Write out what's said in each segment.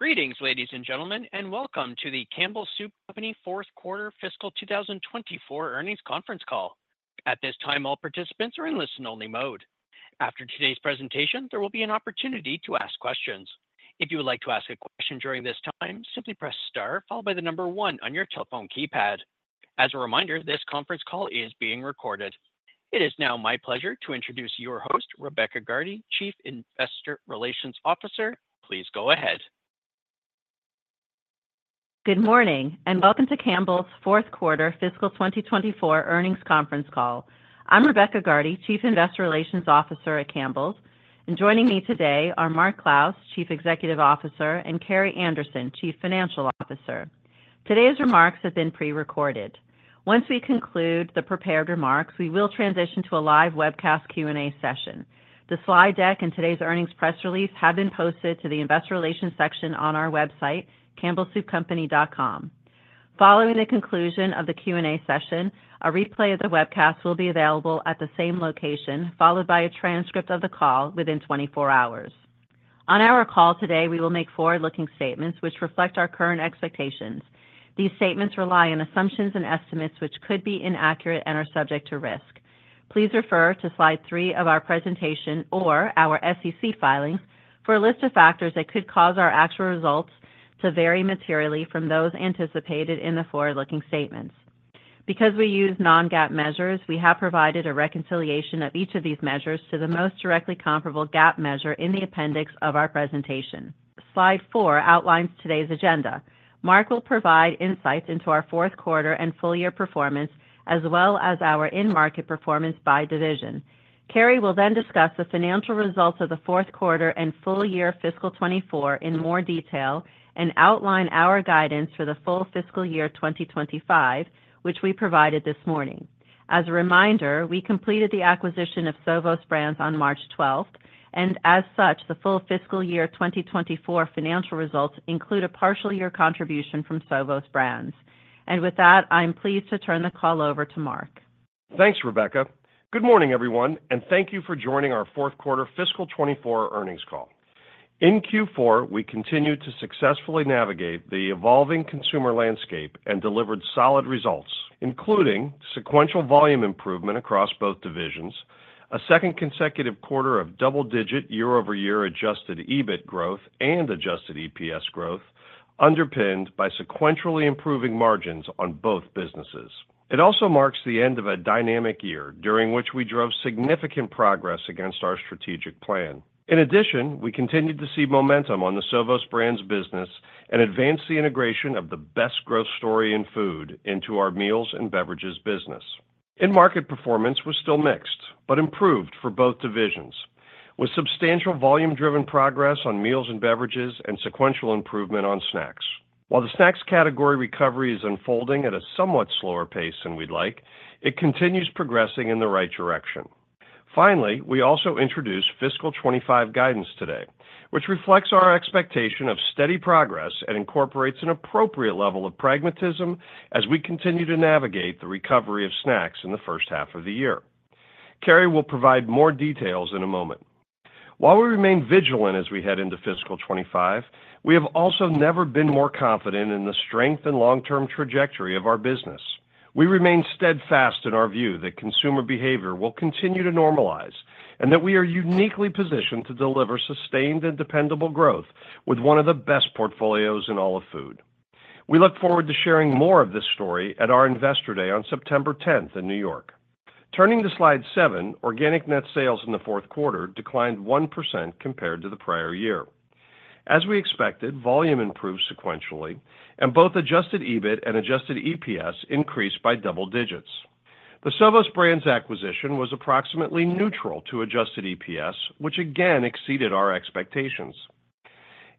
Greetings, ladies and gentlemen, and welcome to the Campbell Soup Company Fourth Quarter Fiscal 2024 Earnings Conference Call. At this time, all participants are in listen-only mode. After today's presentation, there will be an opportunity to ask questions. If you would like to ask a question during this time, simply press star followed by the number one on your telephone keypad. As a reminder, this conference call is being recorded. It is now my pleasure to introduce your host, Rebecca Gardy, Chief Investor Relations Officer. Please go ahead. Good morning, and welcome to Campbell's Fourth Quarter Fiscal 2024 Earnings Conference Call. I'm Rebecca Gardy, Chief Investor Relations Officer at Campbell's, and joining me today are Mark Clouse, Chief Executive Officer, and Carrie Anderson, Chief Financial Officer. Today's remarks have been pre-recorded. Once we conclude the prepared remarks, we will transition to a live webcast Q&A session. The slide deck and today's earnings press release have been posted to the Investor Relations section on our website, campbellsoupcompany.com. Following the conclusion of the Q&A session, a replay of the webcast will be available at the same location, followed by a transcript of the call within 24 hours. On our call today, we will make forward-looking statements which reflect our current expectations. These statements rely on assumptions and estimates, which could be inaccurate and are subject to risk. Please refer to slide three of our presentation or our SEC filing for a list of factors that could cause our actual results to vary materially from those anticipated in the forward-looking statements. Because we use non-GAAP measures, we have provided a reconciliation of each of these measures to the most directly comparable GAAP measure in the appendix of our presentation. Slide four outlines today's agenda. Mark will provide insights into our fourth quarter and full year performance, as well as our in-market performance by division. Carrie will then discuss the financial results of the fourth quarter and full year fiscal 2024 in more detail and outline our guidance for the full fiscal year 2025, which we provided this morning. As a reminder, we completed the acquisition of Sovos Brands on March 12, and as such, the full fiscal year 2024 financial results include a partial year contribution from Sovos Brands, and with that, I'm pleased to turn the call over to Mark. Thanks, Rebecca. Good morning, everyone, and thank you for joining our Fourth Quarter Fiscal 2024 Earnings Call. In Q4, we continued to successfully navigate the evolving consumer landscape and delivered solid results, including sequential volume improvement across both divisions, a second consecutive quarter of double-digit year-over-year adjusted EBIT growth and adjusted EPS growth, underpinned by sequentially improving margins on both businesses. It also marks the end of a dynamic year during which we drove significant progress against our strategic plan. In addition, we continued to see momentum on the Sovos Brands business and advanced the integration of the best growth story in food into our Meals and Beverages business. End market performance was still mixed, but improved for both divisions, with substantial volume-driven progress on Meals and Beverages and sequential improvement on Snacks. While the Snacks category recovery is unfolding at a somewhat slower pace than we'd like, it continues progressing in the right direction. Finally, we also introduced fiscal 2025 guidance today, which reflects our expectation of steady progress and incorporates an appropriate level of pragmatism as we continue to navigate the recovery of Snacks in the first half of the year. Carrie will provide more details in a moment. While we remain vigilant as we head into fiscal 2025, we have also never been more confident in the strength and long-term trajectory of our business. We remain steadfast in our view that consumer behavior will continue to normalize and that we are uniquely positioned to deliver sustained and dependable growth with one of the best portfolios in all of food. We look forward to sharing more of this story at our Investor Day on September 10 in New York. Turning to slide seven, organic net sales in the fourth quarter declined 1% compared to the prior year. As we expected, volume improved sequentially, and both adjusted EBIT and adjusted EPS increased by double digits. The Sovos Brands acquisition was approximately neutral to adjusted EPS, which again exceeded our expectations.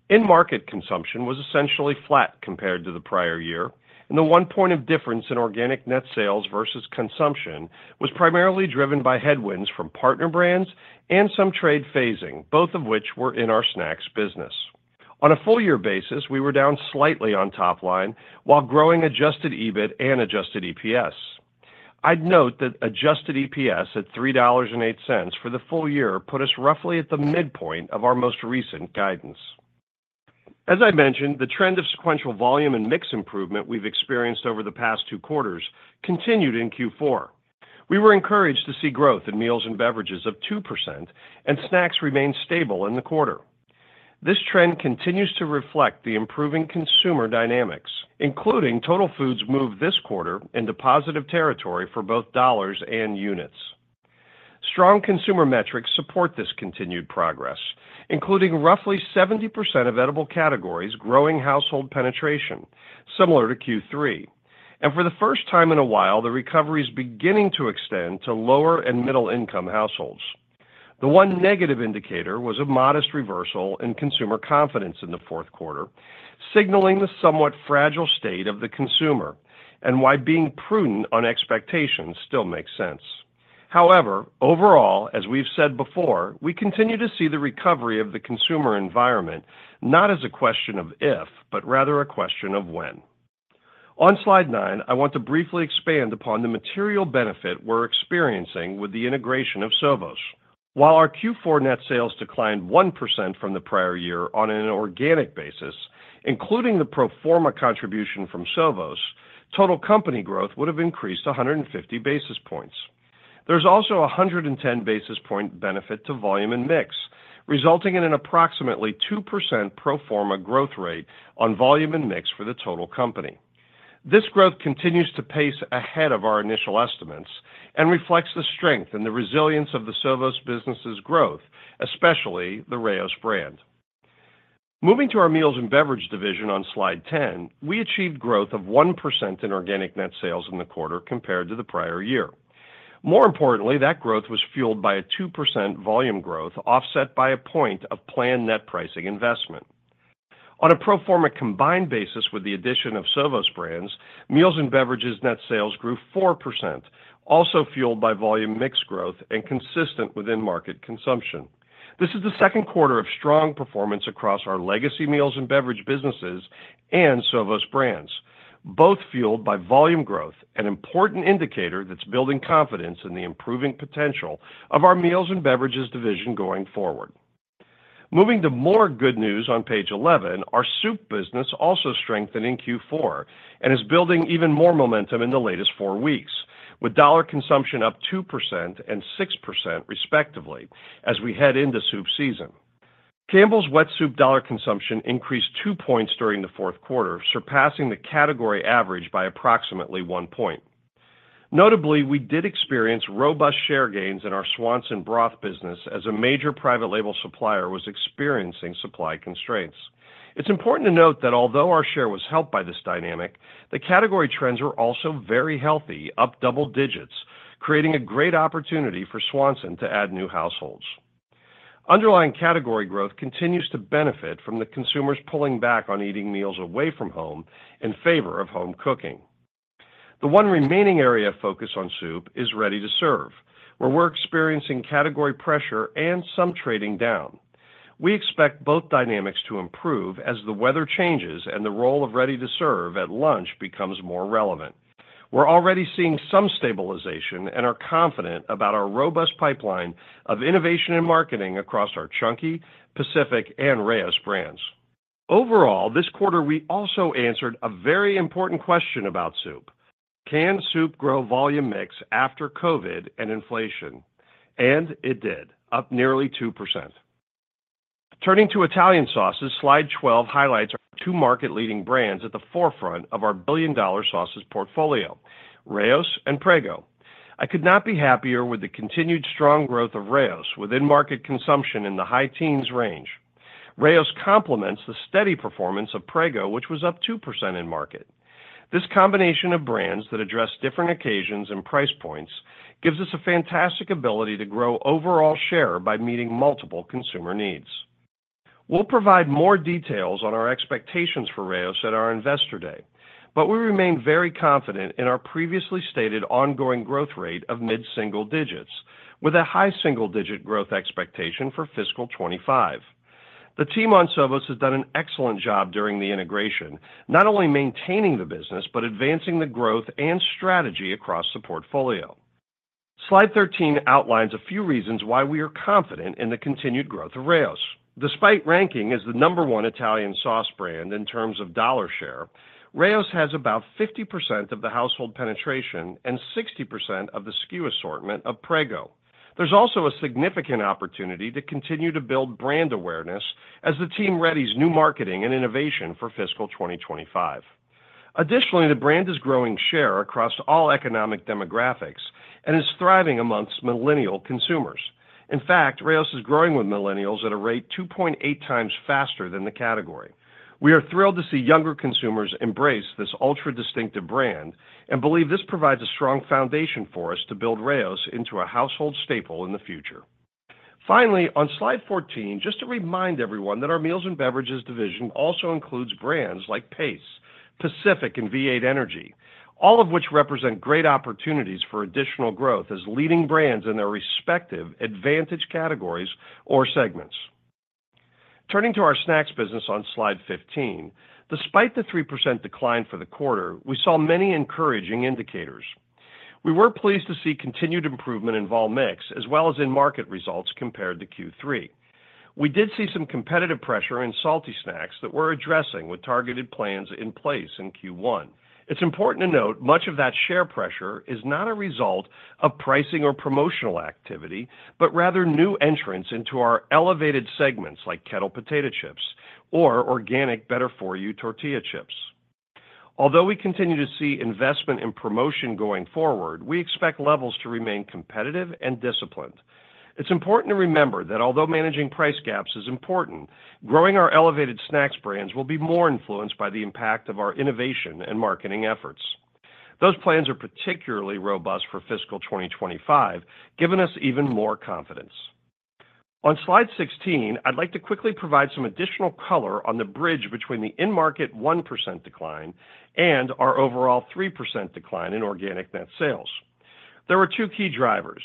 In-market consumption was essentially flat compared to the prior year, and the one point of difference in organic net sales versus consumption was primarily driven by headwinds from partner brands and some trade phasing, both of which were in our Snacks business. On a full year basis, we were down slightly on top line while growing adjusted EBIT and adjusted EPS. I'd note that adjusted EPS at $3.08 for the full year put us roughly at the midpoint of our most recent guidance. As I mentioned, the trend of sequential volume and mix improvement we've experienced over the past two quarters continued in Q4. We were encouraged to see growth in Meals and Beverages of 2%, and Snacks remained stable in the quarter. This trend continues to reflect the improving consumer dynamics, including total foods move this quarter into positive territory for both dollars and units. Strong consumer metrics support this continued progress, including roughly 70% of edible categories, growing household penetration similar to Q3. And for the first time in a while, the recovery is beginning to extend to lower and middle-income households. The one negative indicator was a modest reversal in consumer confidence in the fourth quarter, signaling the somewhat fragile state of the consumer and why being prudent on expectations still makes sense. However, overall, as we've said before, we continue to see the recovery of the consumer environment not as a question of if, but rather a question of when. On slide nine, I want to briefly expand upon the material benefit we're experiencing with the integration of Sovos. While our Q4 net sales declined 1% from the prior year on an organic basis, including the pro forma contribution from Sovos, total company growth would have increased 150 basis points. There's also a 110 basis point benefit to volume and mix, resulting in an approximately 2% pro forma growth rate on volume and mix for the total company. This growth continues to pace ahead of our initial estimates and reflects the strength and the resilience of the Sovos business's growth, especially the Rao's brand. Moving to our Meals and Beverages division on slide 10, we achieved growth of 1% in organic net sales in the quarter compared to the prior year. More importantly, that growth was fueled by a 2% volume growth, offset by a point of planned net pricing investment. On a pro forma combined basis, with the addition of Sovos Brands, Meals and Beverages net sales grew 4%, also fueled by volume mix growth and consistent within market consumption. This is the second quarter of strong performance across our legacy Meals and Beverages businesses and Sovos Brands, both fueled by volume growth, an important indicator that's building confidence in the improving potential of our Meals and Beverages division going forward. Moving to more good news on page 11, our soup business also strengthened in Q4 and is building even more momentum in the latest four weeks, with dollar consumption up 2% and 6% respectively as we head into soup season. Campbell's wet soup dollar consumption increased two points during the fourth quarter, surpassing the category average by approximately one point. Notably, we did experience robust share gains in our Swanson broth business as a major private label supplier was experiencing supply constraints. It's important to note that although our share was helped by this dynamic, the category trends were also very healthy, up double digits, creating a great opportunity for Swanson to add new households. Underlying category growth continues to benefit from the consumers pulling back on eating meals away from home in favor of home cooking. The one remaining area of focus on soup is ready-to-serve, where we're experiencing category pressure and some trading down. We expect both dynamics to improve as the weather changes and the role of ready-to-serve at lunch becomes more relevant. We're already seeing some stabilization and are confident about our robust pipeline of innovation and marketing across our Chunky, Pacific, and Rao's brands. Overall, this quarter, we also answered a very important question about soup: Can soup grow volume mix after COVID and inflation? And it did, up nearly 2%. Turning to Italian sauces, slide 12 highlights our two market-leading brands at the forefront of our billion-dollar sauces portfolio, Rao's and Prego. I could not be happier with the continued strong growth of Rao's within market consumption in the high teens range. Rao's complements the steady performance of Prego, which was up 2% in market. This combination of brands that address different occasions and price points gives us a fantastic ability to grow overall share by meeting multiple consumer needs. We'll provide more details on our expectations for Rao's at our Investor Day, but we remain very confident in our previously stated ongoing growth rate of mid-single digits, with a high single-digit growth expectation for fiscal 2025. The team on Sovos has done an excellent job during the integration, not only maintaining the business, but advancing the growth and strategy across the portfolio. Slide 13 outlines a few reasons why we are confident in the continued growth of Rao's. Despite ranking as the number one Italian sauce brand in terms of dollar share, Rao's has about 50% of the household penetration and 60% of the SKU assortment of Prego. There's also a significant opportunity to continue to build brand awareness as the team readies new marketing and innovation for fiscal 2025. Additionally, the brand is growing share across all economic demographics and is thriving among millennial consumers. In fact, Rao's is growing with millennials at a rate 2.8 times faster than the category. We are thrilled to see younger consumers embrace this ultra-distinctive brand and believe this provides a strong foundation for us to build Rao's into a household staple in the future. Finally, on slide 14, just to remind everyone that our Meals and Beverages division also includes brands like Pace, Pacific, and V8 Energy, all of which represent great opportunities for additional growth as leading brands in their respective advantage categories or segments. Turning to our Snacks business on slide 15, despite the 3% decline for the quarter, we saw many encouraging indicators. We were pleased to see continued improvement in volume mix, as well as in market results compared to Q3. We did see some competitive pressure in salty snacks that we're addressing with targeted plans in place in Q1. It's important to note much of that share pressure is not a result of pricing or promotional activity, but rather new entrants into our elevated segments like Kettle potato chips or organic better-for-you tortilla chips. Although we continue to see investment in promotion going forward, we expect levels to remain competitive and disciplined. It's important to remember that although managing price gaps is important, growing our elevated Snacks brands will be more influenced by the impact of our innovation and marketing efforts. Those plans are particularly robust for fiscal 2025, giving us even more confidence. On slide 16, I'd like to quickly provide some additional color on the bridge between the in-market 1% decline and our overall 3% decline in organic net sales. There were two key drivers.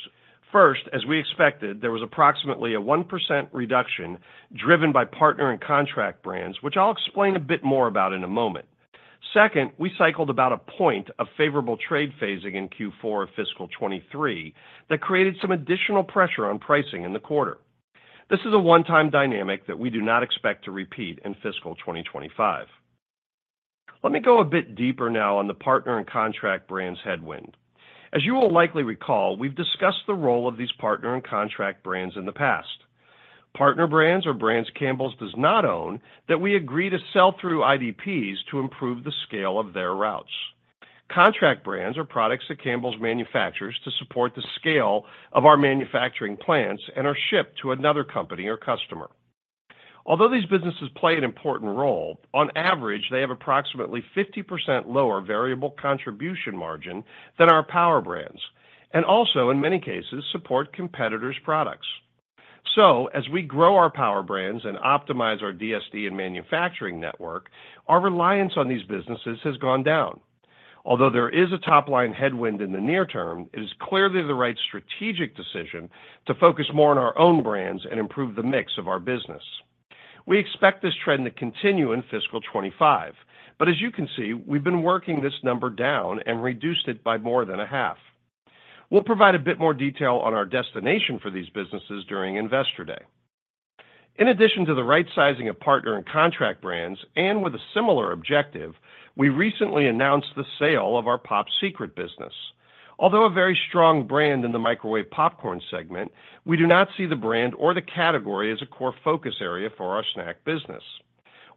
First, as we expected, there was approximately a 1% reduction driven by partner and contract brands, which I'll explain a bit more about in a moment. Second, we cycled about a point of favorable trade phasing in Q4 of fiscal 2023 that created some additional pressure on pricing in the quarter. This is a one-time dynamic that we do not expect to repeat in fiscal 2025. Let me go a bit deeper now on the partner and contract brands headwind. As you will likely recall, we've discussed the role of these partner and contract brands in the past. Partner Brands or brands Campbell's does not own, that we agree to sell through IDPs to improve the scale of their routes. Contract Brands are products that Campbell's manufactures to support the scale of our manufacturing plants and are shipped to another company or customer. Although these businesses play an important role, on average, they have approximately 50% lower variable contribution margin than our Power Brands and also, in many cases, support competitors' products. So as we grow our Power Brands and optimize our DSD and manufacturing network, our reliance on these businesses has gone down. Although there is a top-line headwind in the near term, it is clearly the right strategic decision to focus more on our own brands and improve the mix of our business. We expect this trend to continue in fiscal 2025, but as you can see, we've been working this number down and reduced it by more than a half. We'll provide a bit more detail on our destination for these businesses during Investor Day. In addition to the right sizing of partner and contract brands, and with a similar objective, we recently announced the sale of our Pop Secret business. Although a very strong brand in the microwave popcorn segment, we do not see the brand or the category as a core focus area for our snack business.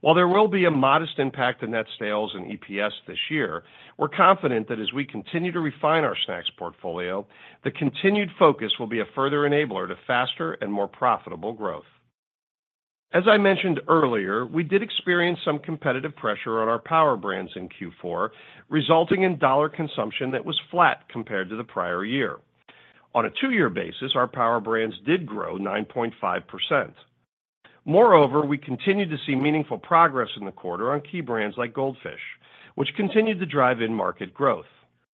While there will be a modest impact to net sales and EPS this year, we're confident that as we continue to refine our Snacks portfolio, the continued focus will be a further enabler to faster and more profitable growth. As I mentioned earlier, we did experience some competitive pressure on our Power Brands in Q4, resulting in dollar consumption that was flat compared to the prior year. On a two-year basis, our Power Brands did grow 9.5%. Moreover, we continued to see meaningful progress in the quarter on key brands like Goldfish, which continued to drive in-market growth.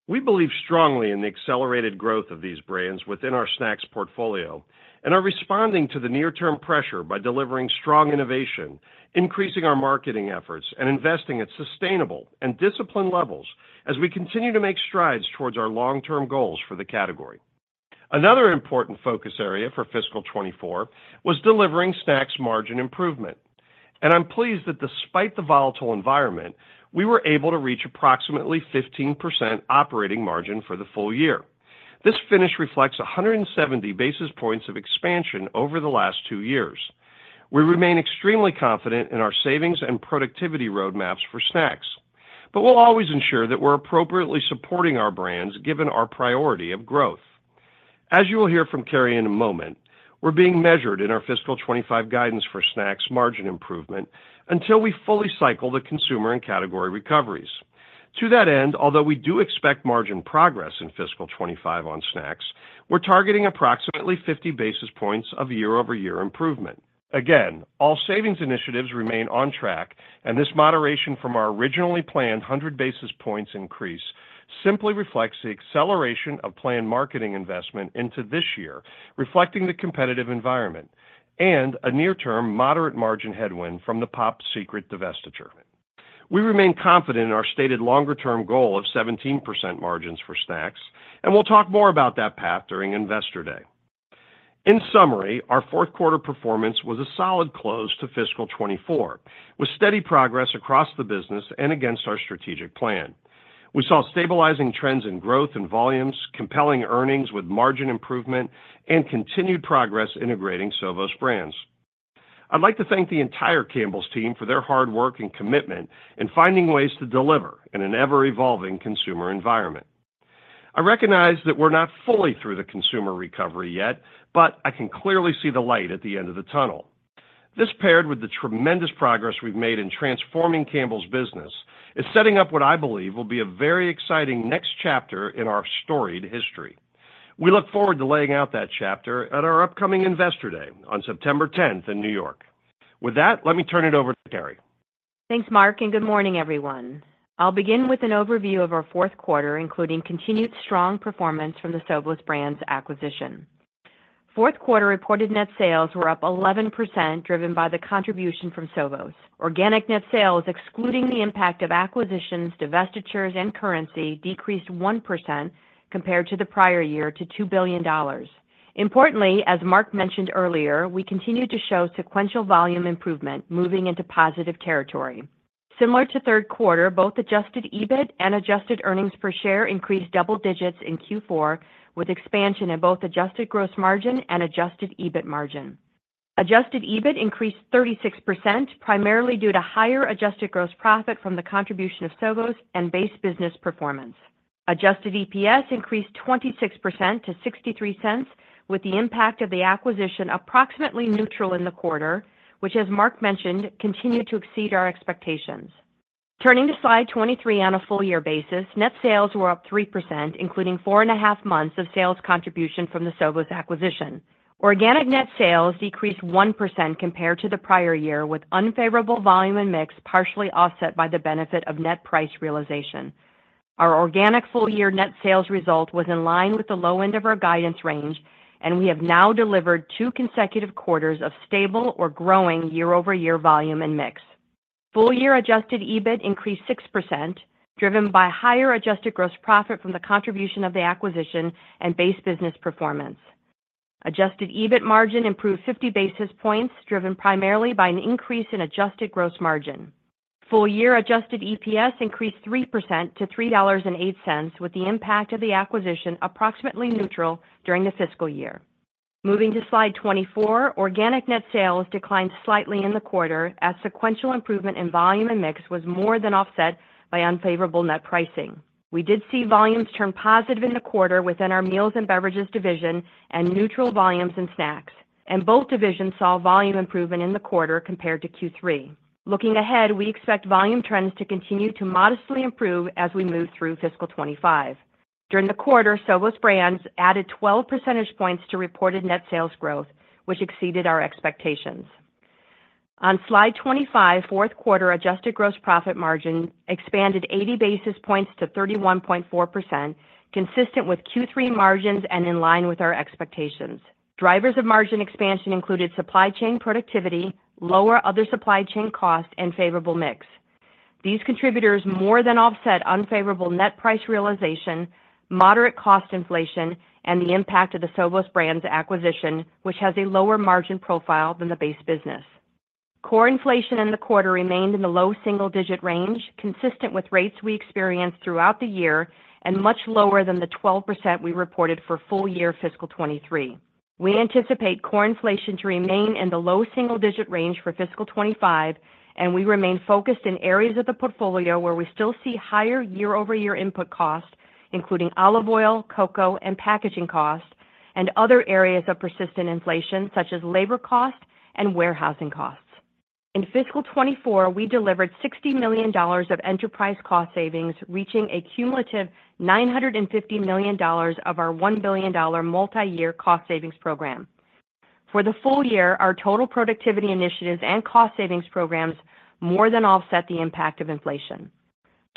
We believe strongly in the accelerated growth of these brands within our Snacks portfolio and are responding to the near-term pressure by delivering strong innovation, increasing our marketing efforts, and investing at sustainable and disciplined levels as we continue to make strides towards our long-term goals for the category. Another important focus area for fiscal 2024 was delivering Snacks margin improvement, and I'm pleased that despite the volatile environment, we were able to reach approximately 15% operating margin for the full year. This finish reflects 170 basis points of expansion over the last two years. We remain extremely confident in our savings and productivity roadmaps for Snacks, but we'll always ensure that we're appropriately supporting our brands, given our priority of growth. As you will hear from Carrie in a moment, we're being measured in our fiscal 2025 guidance for Snacks margin improvement until we fully cycle the consumer and category recoveries. To that end, although we do expect margin progress in fiscal 2025 on Snacks, we're targeting approximately 50 basis points of year-over-year improvement. Again, all savings initiatives remain on track, and this moderation from our originally planned 100 basis points increase simply reflects the acceleration of planned marketing investment into this year, reflecting the competitive environment and a near-term moderate margin headwind from the Pop Secret divestiture. We remain confident in our stated longer-term goal of 17% margins for Snacks, and we'll talk more about that path during Investor Day. In summary, our fourth quarter performance was a solid close to fiscal 2024, with steady progress across the business and against our strategic plan. We saw stabilizing trends in growth and volumes, compelling earnings with margin improvement, and continued progress integrating Sovos Brands. I'd like to thank the entire Campbell's team for their hard work and commitment in finding ways to deliver in an ever-evolving consumer environment. I recognize that we're not fully through the consumer recovery yet, but I can clearly see the light at the end of the tunnel. This, paired with the tremendous progress we've made in transforming Campbell's business, is setting up what I believe will be a very exciting next chapter in our storied history. We look forward to laying out that chapter at our upcoming Investor Day on September 10 in New York. With that, let me turn it over to Carrie. Thanks, Mark, and good morning, everyone. I'll begin with an overview of our fourth quarter, including continued strong performance from the Sovos Brands acquisition. Fourth quarter reported net sales were up 11%, driven by the contribution from Sovos. Organic net sales, excluding the impact of acquisitions, divestitures, and currency, decreased 1% compared to the prior year to $2 billion. Importantly, as Mark mentioned earlier, we continued to show sequential volume improvement, moving into positive territory. Similar to third quarter, both adjusted EBIT and adjusted earnings per share increased double digits in Q4, with expansion in both adjusted gross margin and adjusted EBIT margin. Adjusted EBIT increased 36%, primarily due to higher adjusted gross profit from the contribution of Sovos and base business performance. Adjusted EPS increased 26% to $0.63, with the impact of the acquisition approximately neutral in the quarter, which, as Mark mentioned, continued to exceed our expectations. Turning to slide 23 on a full year basis, net sales were up 3%, including four and a half months of sales contribution from the Sovos acquisition.... Organic net sales decreased 1% compared to the prior year, with unfavorable volume and mix, partially offset by the benefit of net price realization. Our organic full year net sales result was in line with the low end of our guidance range, and we have now delivered two consecutive quarters of stable or growing year-over-year volume and mix. Full year adjusted EBIT increased 6%, driven by higher adjusted gross profit from the contribution of the acquisition and base business performance. Adjusted EBIT margin improved 50 basis points, driven primarily by an increase in adjusted gross margin. Full year adjusted EPS increased 3% to $3.08, with the impact of the acquisition approximately neutral during the fiscal year. Moving to slide 24, organic net sales declined slightly in the quarter as sequential improvement in volume and mix was more than offset by unfavorable net pricing. We did see volumes turn positive in the quarter within our Meals and Beverages division and neutral volumes in Snacks, and both divisions saw volume improvement in the quarter compared to Q3. Looking ahead, we expect volume trends to continue to modestly improve as we move through fiscal 2025. During the quarter, Sovos Brands added 12 percentage points to reported net sales growth, which exceeded our expectations. On slide 25, fourth quarter adjusted gross profit margin expanded 80 basis points to 31.4%, consistent with Q3 margins and in line with our expectations. Drivers of margin expansion included supply chain productivity, lower other supply chain costs, and favorable mix. These contributors more than offset unfavorable net price realization, moderate cost inflation, and the impact of the Sovos Brands acquisition, which has a lower margin profile than the base business. Core inflation in the quarter remained in the low single-digit range, consistent with rates we experienced throughout the year and much lower than the 12% we reported for full year fiscal 2023. We anticipate core inflation to remain in the low single-digit range for fiscal 2025, and we remain focused in areas of the portfolio where we still see higher year-over-year input costs, including olive oil, cocoa, and packaging costs, and other areas of persistent inflation, such as labor costs and warehousing costs. In fiscal 2024, we delivered $60 million of enterprise cost savings, reaching a cumulative $950 million of our $1 billion multi-year cost savings program. For the full year, our total productivity initiatives and cost savings programs more than offset the impact of inflation.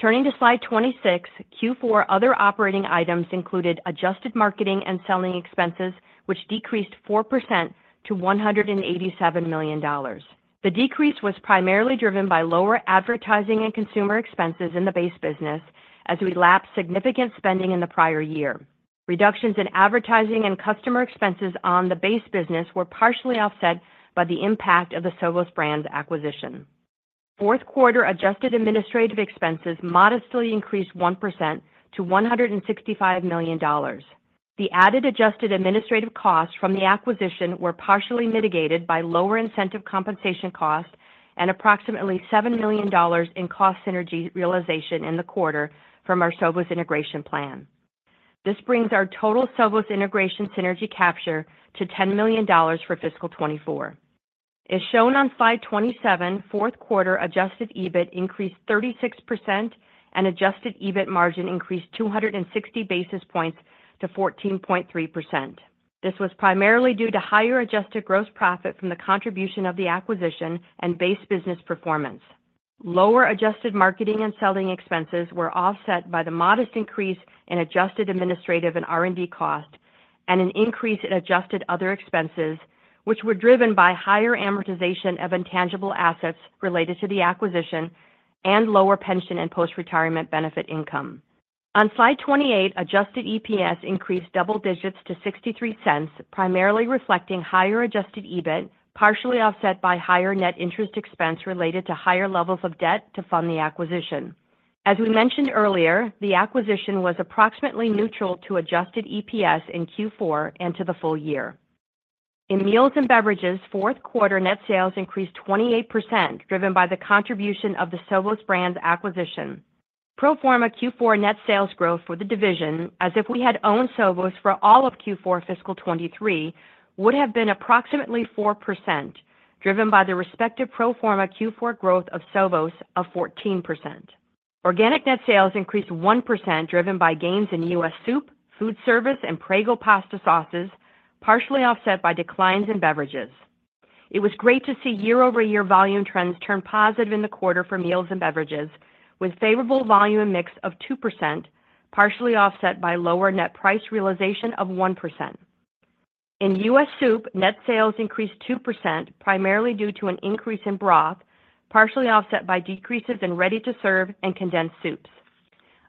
Turning to slide 26, Q4 other operating items included adjusted marketing and selling expenses, which decreased 4% to $187 million. The decrease was primarily driven by lower advertising and consumer expenses in the base business as we lapsed significant spending in the prior year. Reductions in advertising and customer expenses on the base business were partially offset by the impact of the Sovos Brands acquisition. Fourth quarter adjusted administrative expenses modestly increased 1% to $165 million. The added adjusted administrative costs from the acquisition were partially mitigated by lower incentive compensation costs and approximately $7 million in cost synergy realization in the quarter from our Sovos integration plan. This brings our total Sovos integration synergy capture to $10 million for fiscal 2024. As shown on slide 27, fourth quarter adjusted EBIT increased 36% and adjusted EBIT margin increased 260 basis points to 14.3%. This was primarily due to higher adjusted gross profit from the contribution of the acquisition and base business performance. Lower adjusted marketing and selling expenses were offset by the modest increase in adjusted administrative and R&D costs and an increase in adjusted other expenses, which were driven by higher amortization of intangible assets related to the acquisition and lower pension and post-retirement benefit income. On slide 28, adjusted EPS increased double digits to $0.63, primarily reflecting higher adjusted EBIT, partially offset by higher net interest expense related to higher levels of debt to fund the acquisition. As we mentioned earlier, the acquisition was approximately neutral to adjusted EPS in Q4 and to the full year. In Meals and Beverages, fourth quarter net sales increased 28%, driven by the contribution of the Sovos Brands acquisition. Pro forma Q4 net sales growth for the division, as if we had owned Sovos for all of Q4 fiscal 2023, would have been approximately 4%, driven by the respective pro forma Q4 growth of Sovos of 14%. Organic net sales increased 1%, driven by gains in U.S. Soup, Foodservice, and Prego pasta sauces, partially offset by declines in Beverages. It was great to see year-over-year volume trends turn positive in the quarter for Meals and Beverages, with favorable volume mix of 2%, partially offset by lower net price realization of 1%. In U.S. Soup, net sales increased 2%, primarily due to an increase in broth, partially offset by decreases in ready-to-serve and condensed soups.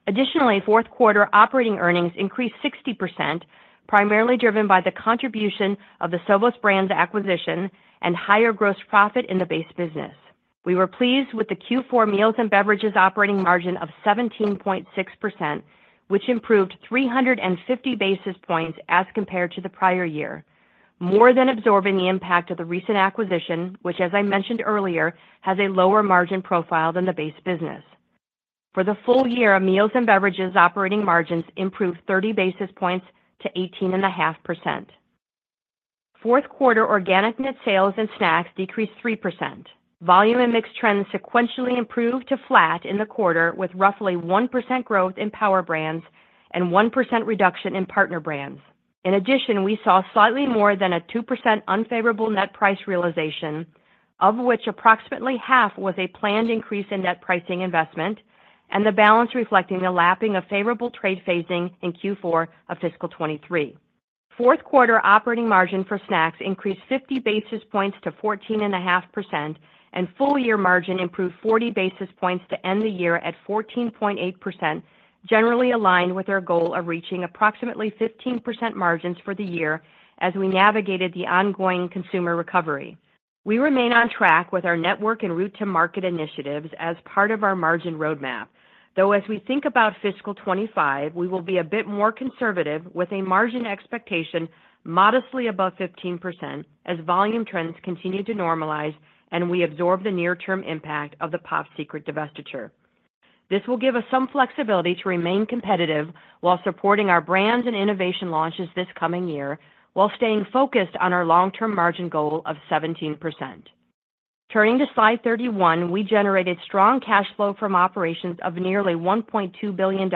Additionally, fourth quarter operating earnings increased 60%, primarily driven by the contribution of the Sovos Brands acquisition and higher gross profit in the base business. We were pleased with the Q4 Meals and Beverages operating margin of 17.6%, which improved 350 basis points as compared to the prior year, more than absorbing the impact of the recent acquisition, which, as I mentioned earlier, has a lower margin profile than the base business. For the full year, our Meals and Beverages operating margins improved 30 basis points to 18.5%. Fourth quarter organic net sales in Snacks decreased 3%. Volume and mix trends sequentially improved to flat in the quarter, with roughly 1% growth in Power Brands and 1% reduction in Partner Brands. In addition, we saw slightly more than a 2% unfavorable net price realization, of which approximately half was a planned increase in net pricing investment and the balance reflecting the lapping of favorable trade phasing in Q4 of fiscal 2023. Fourth quarter operating margin for Snacks increased 50 basis points to 14.5%, and full-year margin improved 40 basis points to end the year at 14.8%, generally aligned with our goal of reaching approximately 15% margins for the year as we navigated the ongoing consumer recovery. We remain on track with our network and route to market initiatives as part of our margin roadmap, though, as we think about fiscal 2025, we will be a bit more conservative, with a margin expectation modestly above 15% as volume trends continue to normalize and we absorb the near-term impact of the Pop Secret divestiture. This will give us some flexibility to remain competitive while supporting our brands and innovation launches this coming year, while staying focused on our long-term margin goal of 17%. Turning to slide 31, we generated strong cash flow from operations of nearly $1.2 billion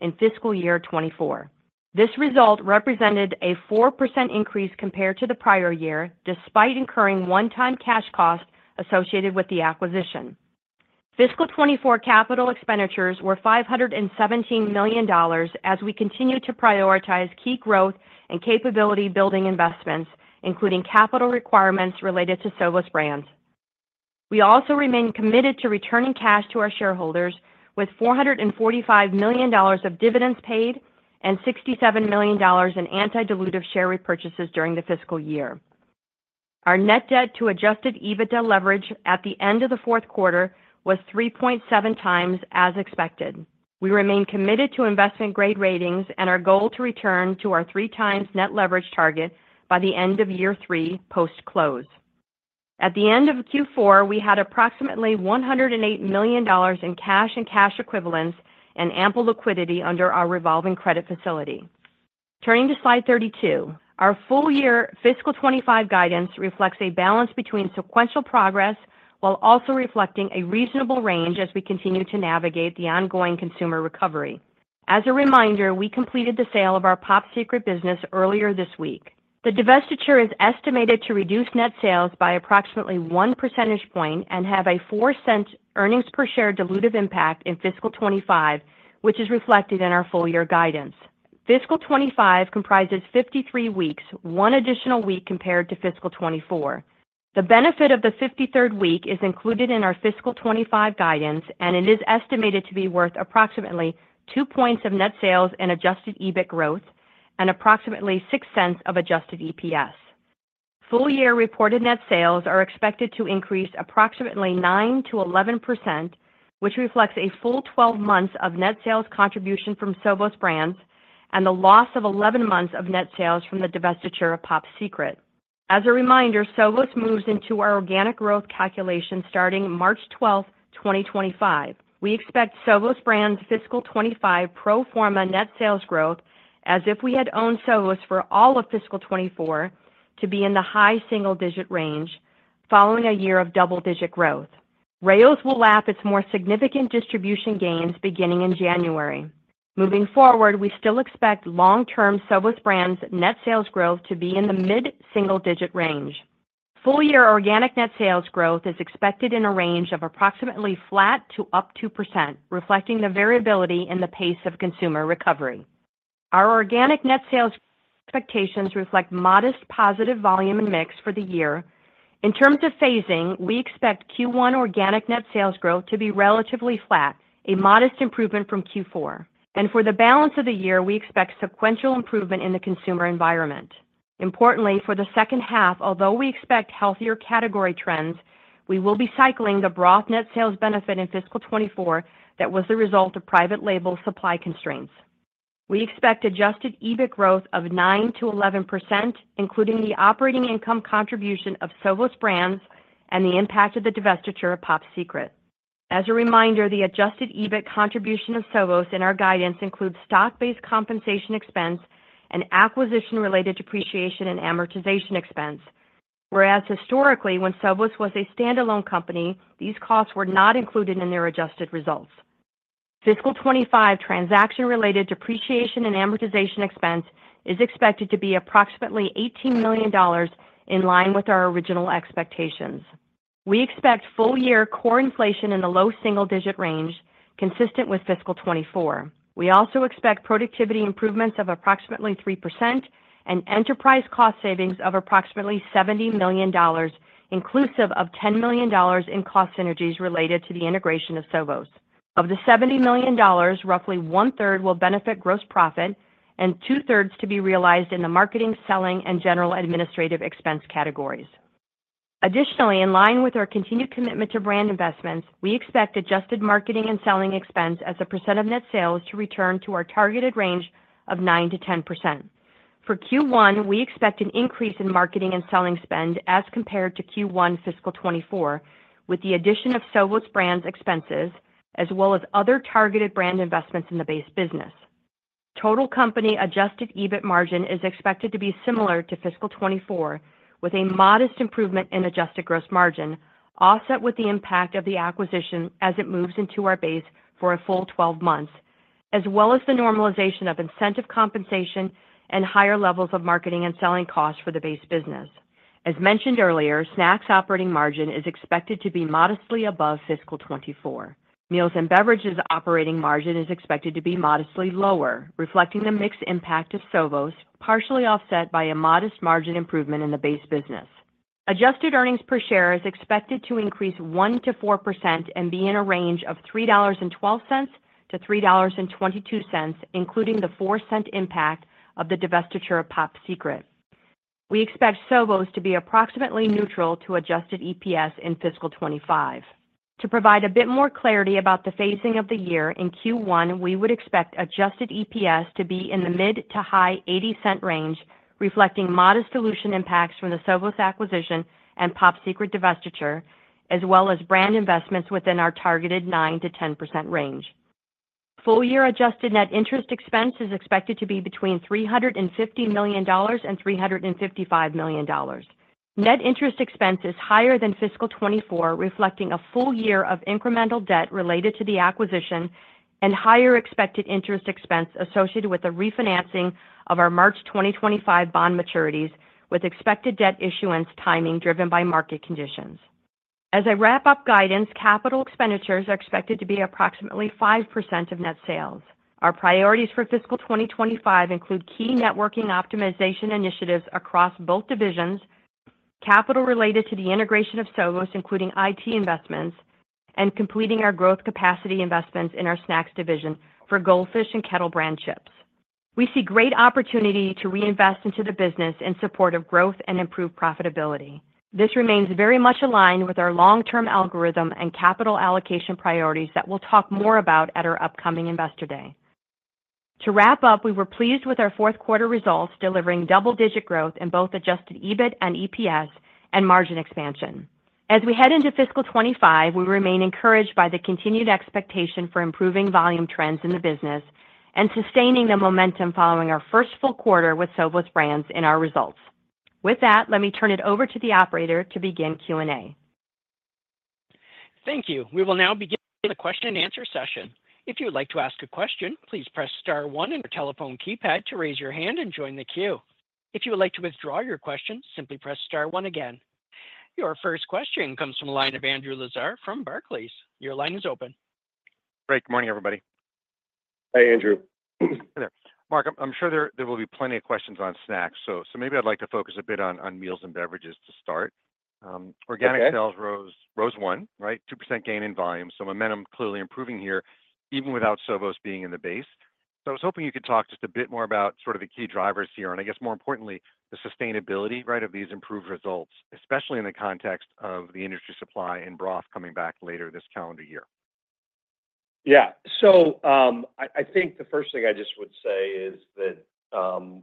in fiscal year 2024. This result represented a 4% increase compared to the prior year, despite incurring one-time cash costs associated with the acquisition. Fiscal 2024 capital expenditures were $517 million, as we continue to prioritize key growth and capability-building investments, including capital requirements related to Sovos Brands. We also remain committed to returning cash to our shareholders with $445 million of dividends paid and $67 million in anti-dilutive share repurchases during the fiscal year. Our net debt to Adjusted EBITDA leverage at the end of the fourth quarter was 3.7x as expected. We remain committed to investment-grade ratings and our goal to return to our 3x net leverage target by the end of year three post-close. At the end of Q4, we had approximately $108 million in cash and cash equivalents and ample liquidity under our revolving credit facility. Turning to Slide 32, our full-year fiscal 2025 guidance reflects a balance between sequential progress while also reflecting a reasonable range as we continue to navigate the ongoing consumer recovery. As a reminder, we completed the sale of our Pop Secret business earlier this week. The divestiture is estimated to reduce net sales by approximately one percentage point and have a $0.04 earnings per share dilutive impact in fiscal 2025, which is reflected in our full-year guidance. Fiscal 2025 comprises 53 weeks, one additional week compared to fiscal 2024. The benefit of the 53rd week is included in our fiscal 2025 guidance, and it is estimated to be worth approximately two points of net sales and adjusted EBIT growth and approximately $0.06 of adjusted EPS. Full-year reported net sales are expected to increase approximately 9%-11%, which reflects a full twelve months of net sales contribution from Sovos Brands and the loss of eleven months of net sales from the divestiture of Pop Secret. As a reminder, Sovos moves into our organic growth calculation starting March 12, 2025. We expect Sovos Brands' fiscal 2025 pro forma net sales growth as if we had owned Sovos for all of fiscal 2024 to be in the high single-digit range following a year of double-digit growth. Rao's will lap its more significant distribution gains beginning in January. Moving forward, we still expect long-term Sovos Brands net sales growth to be in the mid-single-digit range. Full-year organic net sales growth is expected in a range of approximately flat to up 2%, reflecting the variability in the pace of consumer recovery. Our organic net sales expectations reflect modest positive volume and mix for the year. In terms of phasing, we expect Q1 organic net sales growth to be relatively flat, a modest improvement from Q4, and for the balance of the year, we expect sequential improvement in the consumer environment. Importantly, for the second half, although we expect healthier category trends, we will be cycling the broad net sales benefit in fiscal 2024 that was the result of private label supply constraints. We expect adjusted EBIT growth of 9%-11%, including the operating income contribution of Sovos Brands and the impact of the divestiture of Pop Secret. As a reminder, the adjusted EBIT contribution of Sovos in our guidance includes stock-based compensation expense and acquisition-related depreciation and amortization expense. Whereas historically, when Sovos was a standalone company, these costs were not included in their adjusted results. Fiscal 2025 transaction-related depreciation and amortization expense is expected to be approximately $18 million, in line with our original expectations. We expect full-year core inflation in the low single-digit range, consistent with fiscal 2024. We also expect productivity improvements of approximately 3% and enterprise cost savings of approximately $70 million, inclusive of $10 million in cost synergies related to the integration of Sovos. Of the $70 million, roughly one-third will benefit gross profit and two-thirds to be realized in the marketing, selling, and general administrative expense categories. Additionally, in line with our continued commitment to brand investments, we expect adjusted marketing and selling expense as a percent of net sales to return to our targeted range of 9%-10%. For Q1, we expect an increase in marketing and selling spend as compared to Q1 fiscal 2024, with the addition of Sovos Brands expenses, as well as other targeted brand investments in the base business.... Total company adjusted EBIT margin is expected to be similar to fiscal 2024, with a modest improvement in adjusted gross margin, offset with the impact of the acquisition as it moves into our base for a full 12 months, as well as the normalization of incentive compensation and higher levels of marketing and selling costs for the base business. As mentioned earlier, Snacks operating margin is expected to be modestly above fiscal 2024. Meals and Beverages operating margin is expected to be modestly lower, reflecting the mixed impact of Sovos, partially offset by a modest margin improvement in the base business. Adjusted earnings per share is expected to increase 1% to 4% and be in a range of $3.12-$3.22, including the $0.04 impact of the divestiture of Pop Secret. We expect Sovos to be approximately neutral to adjusted EPS in fiscal 2025. To provide a bit more clarity about the phasing of the year, in Q1, we would expect adjusted EPS to be in the mid- to high-80-cent range, reflecting modest dilution impacts from the Sovos acquisition and Pop Secret divestiture, as well as brand investments within our targeted 9%-10% range. Full year adjusted net interest expense is expected to be between $350 million and $355 million. Net interest expense is higher than fiscal 2024, reflecting a full year of incremental debt related to the acquisition and higher expected interest expense associated with the refinancing of our March 2025 bond maturities, with expected debt issuance timing driven by market conditions. As I wrap up guidance, capital expenditures are expected to be approximately 5% of net sales. Our priorities for fiscal 2025 include key networking optimization initiatives across both divisions, capital related to the integration of Sovos, including IT investments, and completing our growth capacity investments in our Snacks division for Goldfish and Kettle Brand chips. We see great opportunity to reinvest into the business in support of growth and improved profitability. This remains very much aligned with our long-term algorithm and capital allocation priorities that we'll talk more about at our upcoming Investor Day. To wrap up, we were pleased with our fourth quarter results, delivering double-digit growth in both Adjusted EBIT and EPS and margin expansion. As we head into fiscal 2025, we remain encouraged by the continued expectation for improving volume trends in the business and sustaining the momentum following our first full quarter with Sovos Brands in our results. With that, let me turn it over to the operator to begin Q&A. Thank you. We will now begin the question and answer session. If you would like to ask a question, please press star one on your telephone keypad to raise your hand and join the queue. If you would like to withdraw your question, simply press star one again. Your first question comes from the line of Andrew Lazar from Barclays. Your line is open. Great. Good morning, everybody. Hi, Andrew. Hi there. Mark, I'm sure there will be plenty of questions on Snacks, so maybe I'd like to focus a bit on Meals and Beverages to start. Okay. Organic sales rose 1%, right? 2% gain in volume, so momentum clearly improving here, even without Sovos being in the base. So I was hoping you could talk just a bit more about sort of the key drivers here, and I guess more importantly, the sustainability, right, of these improved results, especially in the context of the industry supply in broth coming back later this calendar year. Yeah. So, I think the first thing I just would say is that,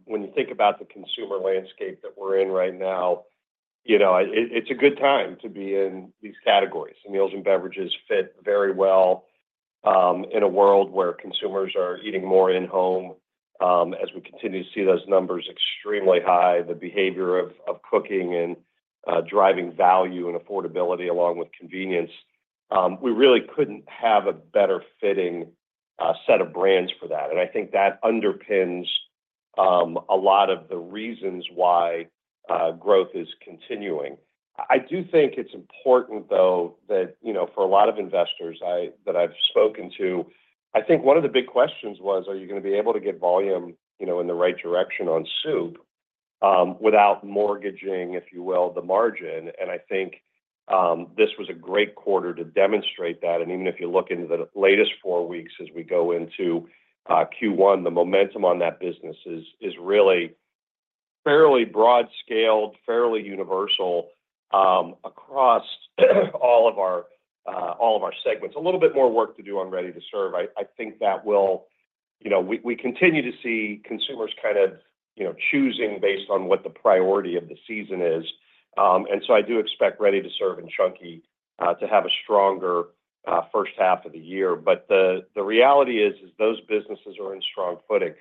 when you think about the consumer landscape that we're in right now, you know, it's a good time to be in these categories. Meals and Beverages fit very well, in a world where consumers are eating more in-home. As we continue to see those numbers extremely high, the behavior of cooking and driving value and affordability along with convenience, we really couldn't have a better fitting set of brands for that. And I think that underpins a lot of the reasons why growth is continuing. I do think it's important, though, that, you know, for a lot of investors that I've spoken to, I think one of the big questions was, are you gonna be able to get volume, you know, in the right direction on soup, without mortgaging, if you will, the margin? And I think this was a great quarter to demonstrate that. And even if you look into the latest four weeks as we go into Q1, the momentum on that business is really fairly broad scaled, fairly universal across all of our segments. A little bit more work to do on ready-to-serve. I think that will, you know, we continue to see consumers kind of, you know, choosing based on what the priority of the season is. And so I do expect ready-to-serve and Chunky to have a stronger first half of the year. But the reality is those businesses are in strong footing.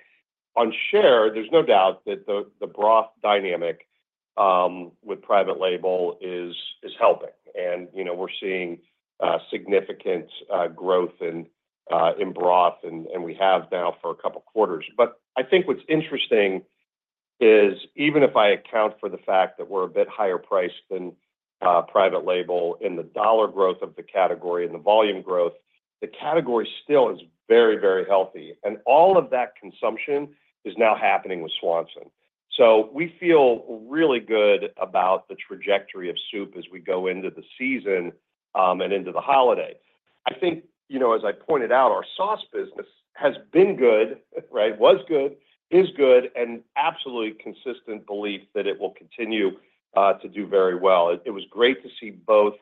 On share, there's no doubt that the broth dynamic with private label is helping. And, you know, we're seeing significant growth in broth, and we have now for a couple quarters. But I think what's interesting is, even if I account for the fact that we're a bit higher priced than private label in the dollar growth of the category and the volume growth, the category still is very, very healthy, and all of that consumption is now happening with Swanson. So we feel really good about the trajectory of soup as we go into the season and into the holidays. I think, you know, as I pointed out, our sauce business has been good, right? Was good, is good, and absolutely consistent belief that it will continue to do very well. It was great to see both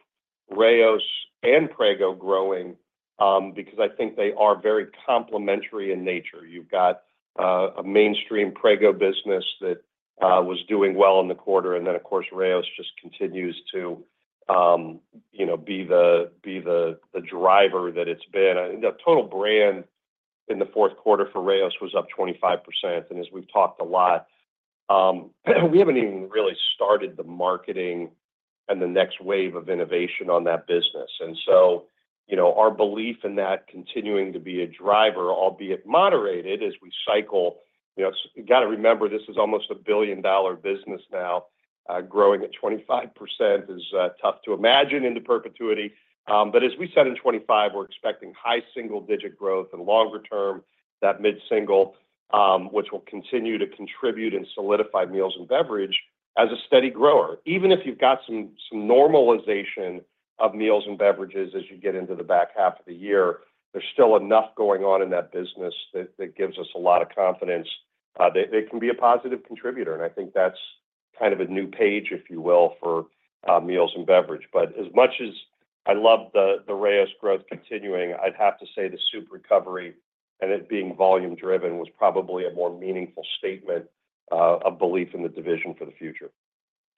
Rao's and Prego growing because I think they are very complementary in nature. You've got a mainstream Prego business that was doing well in the quarter, and then, of course, Rao's just continues to you know, be the driver that it's been. The total brand in the fourth quarter for Rao's was up 25%, and as we've talked a lot, we haven't even really started the marketing and the next wave of innovation on that business. And so, you know, our belief in that continuing to be a driver, albeit moderated, as we cycle, you know, you got to remember this is almost a $1 billion business now. Growing at 25% is tough to imagine into perpetuity. But as we said, in 2025, we're expecting high single-digit growth and longer term, that mid-single, which will continue to contribute and solidify Meals and Beverages as a steady grower. Even if you've got some normalization of Meals and Beverages as you get into the back half of the year, there's still enough going on in that business that gives us a lot of confidence that it can be a positive contributor, and I think that's kind of a new page, if you will, for Meals and Beverages. But as much as I love the Rao's growth continuing, I'd have to say the soup recovery and it being volume driven was probably a more meaningful statement of belief in the division for the future.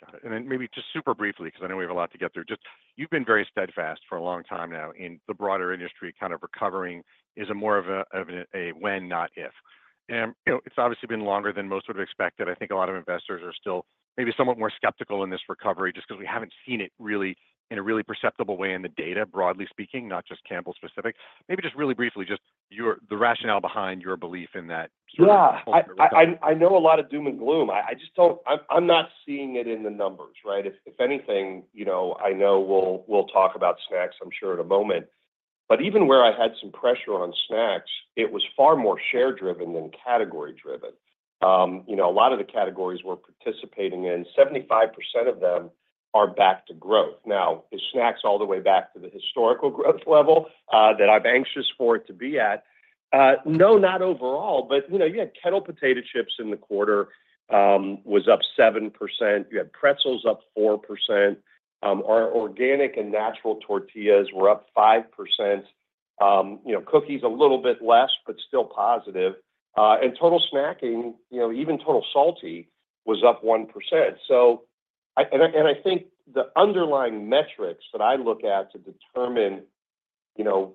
Got it. And then maybe just super briefly, because I know we have a lot to get through. Just, you've been very steadfast for a long time now in the broader industry, kind of recovering is a more of a, of a when, not if. And, you know, it's obviously been longer than most would have expected. I think a lot of investors are still maybe somewhat more skeptical in this recovery, just because we haven't seen it really in a really perceptible way in the data, broadly speaking, not just Campbell specific. Maybe just really briefly, just your-- the rationale behind your belief in that sort of- Yeah, I know a lot of doom and gloom. I just don't... I'm not seeing it in the numbers, right? If anything, you know, I know we'll talk about Snacks, I'm sure in a moment, but even where I had some pressure on Snacks, it was far more share driven than category driven. You know, a lot of the categories we're participating in, 75% of them are back to growth. Now, is Snacks all the way back to the historical growth level that I'm anxious for it to be at? No, not overall, but you know, you had Kettle potato chips in the quarter was up 7%. You had pretzels up 4%. Our organic and natural tortillas were up 5%. You know, cookies a little bit less, but still positive. And total snacking, you know, even total salty was up 1%. So I think the underlying metrics that I look at to determine, you know,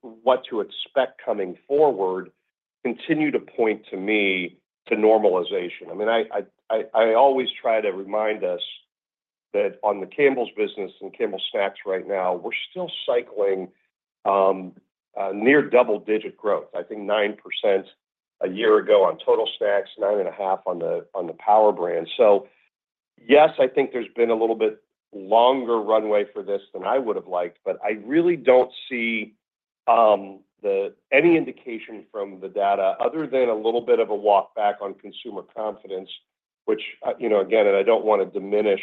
what to expect coming forward continue to point to me to normalization. I mean, I always try to remind us that on the Campbell's business and Campbell's Snacks right now, we're still cycling near double-digit growth. I think 9% a year ago on total Snacks, 9.5% on the Power brand. So yes, I think there's been a little bit longer runway for this than I would have liked, but I really don't see any indication from the data other than a little bit of a walk back on consumer confidence, which, you know, again, and I don't want to diminish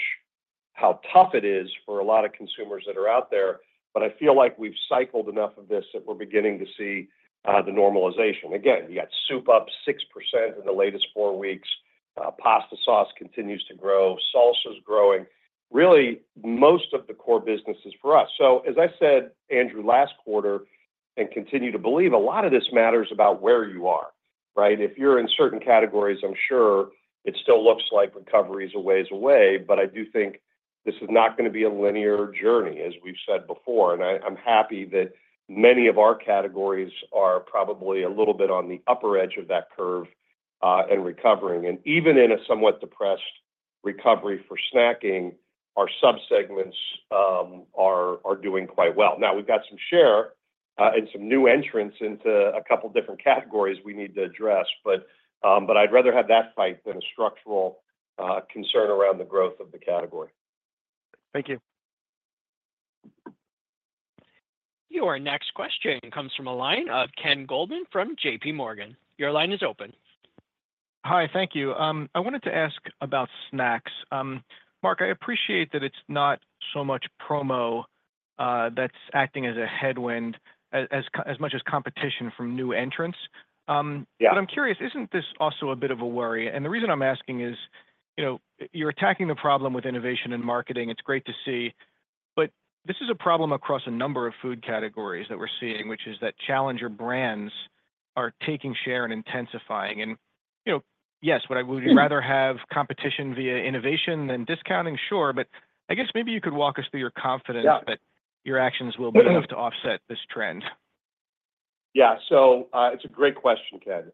how tough it is for a lot of consumers that are out there, but I feel like we've cycled enough of this, that we're beginning to see the normalization. Again, you got soup up 6% in the latest four weeks, pasta sauce continues to grow, salsa is growing. Really, most of the core businesses for us. So as I said, Andrew, last quarter, and continue to believe a lot of this matters about where you are, right? If you're in certain categories, I'm sure it still looks like recovery is a ways away, but I do think this is not gonna be a linear journey, as we've said before, and I, I'm happy that many of our categories are probably a little bit on the upper edge of that curve, and recovering. And even in a somewhat depressed recovery for snacking, our subsegments are doing quite well. Now, we've got some share, and some new entrants into a couple of different categories we need to address, but I'd rather have that fight than a structural concern around the growth of the category. Thank you. Your next question comes from a line of Ken Goldman from J.P. Morgan. Your line is open. Hi, thank you. I wanted to ask about Snacks. Mark, I appreciate that it's not so much promo that's acting as a headwind as much as competition from new entrants. Yeah. But I'm curious, isn't this also a bit of a worry? And the reason I'm asking is, you know, you're attacking the problem with innovation and marketing. It's great to see, but this is a problem across a number of food categories that we're seeing, which is that challenger brands are taking share and intensifying. And, you know, yes, would I rather have competition via innovation than discounting? Sure. But I guess maybe you could walk us through your confidence- Yeah... that your actions will be enough to offset this trend. Yeah, so it's a great question, Ken.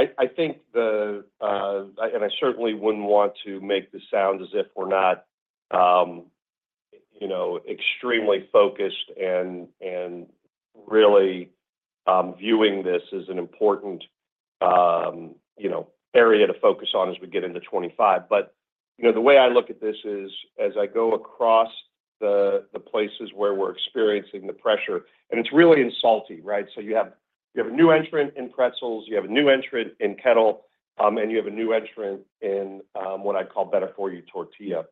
I think, and I certainly wouldn't want to make this sound as if we're not, you know, extremely focused and really viewing this as an important, you know, area to focus on as we get into 2025. But, you know, the way I look at this is as I go across the places where we're experiencing the pressure, and it's really in salty, right? So you have a new entrant in pretzels, you have a new entrant in kettle, and you have a new entrant in what I'd call better-for-you, tortilla.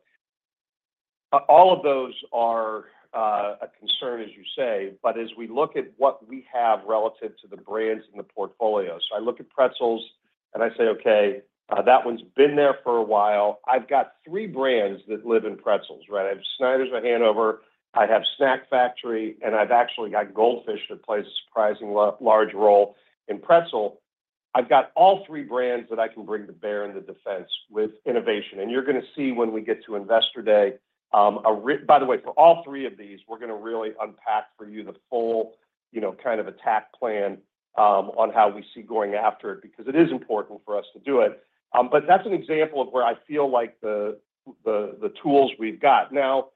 All of those are a concern, as you say, but as we look at what we have relative to the brands in the portfolio. So I look at pretzels, and I say, "Okay, that one's been there for a while." I've got three brands that live in pretzels, right? I have Snyder's of Hanover, I have Snack Factory, and I've actually got Goldfish, that plays a surprisingly large role in pretzel. I've got all three brands that I can bring to bear in the defense with innovation, and you're gonna see when we get to Investor Day, by the way, for all three of these, we're gonna really unpack for you the full, you know, kind of attack plan on how we see going after it, because it is important for us to do it. But that's an example of where I feel like the tools we've got. Now,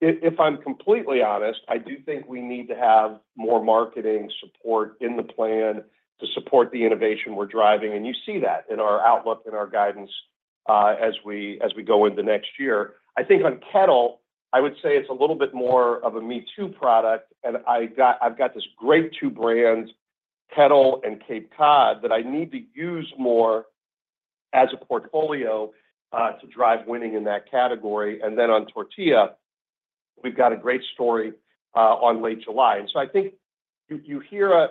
if I'm completely honest, I do think we need to have more marketing support in the plan to support the innovation we're driving, and you see that in our outlook and our guidance, as we go into next year. I think on Kettle, I would say it's a little bit more of a me-too product, and I've got this great two brands, Kettle and Cape Cod, that I need to use more as a portfolio, to drive winning in that category, and then on tortilla, we've got a great story, on Late July. I think you hear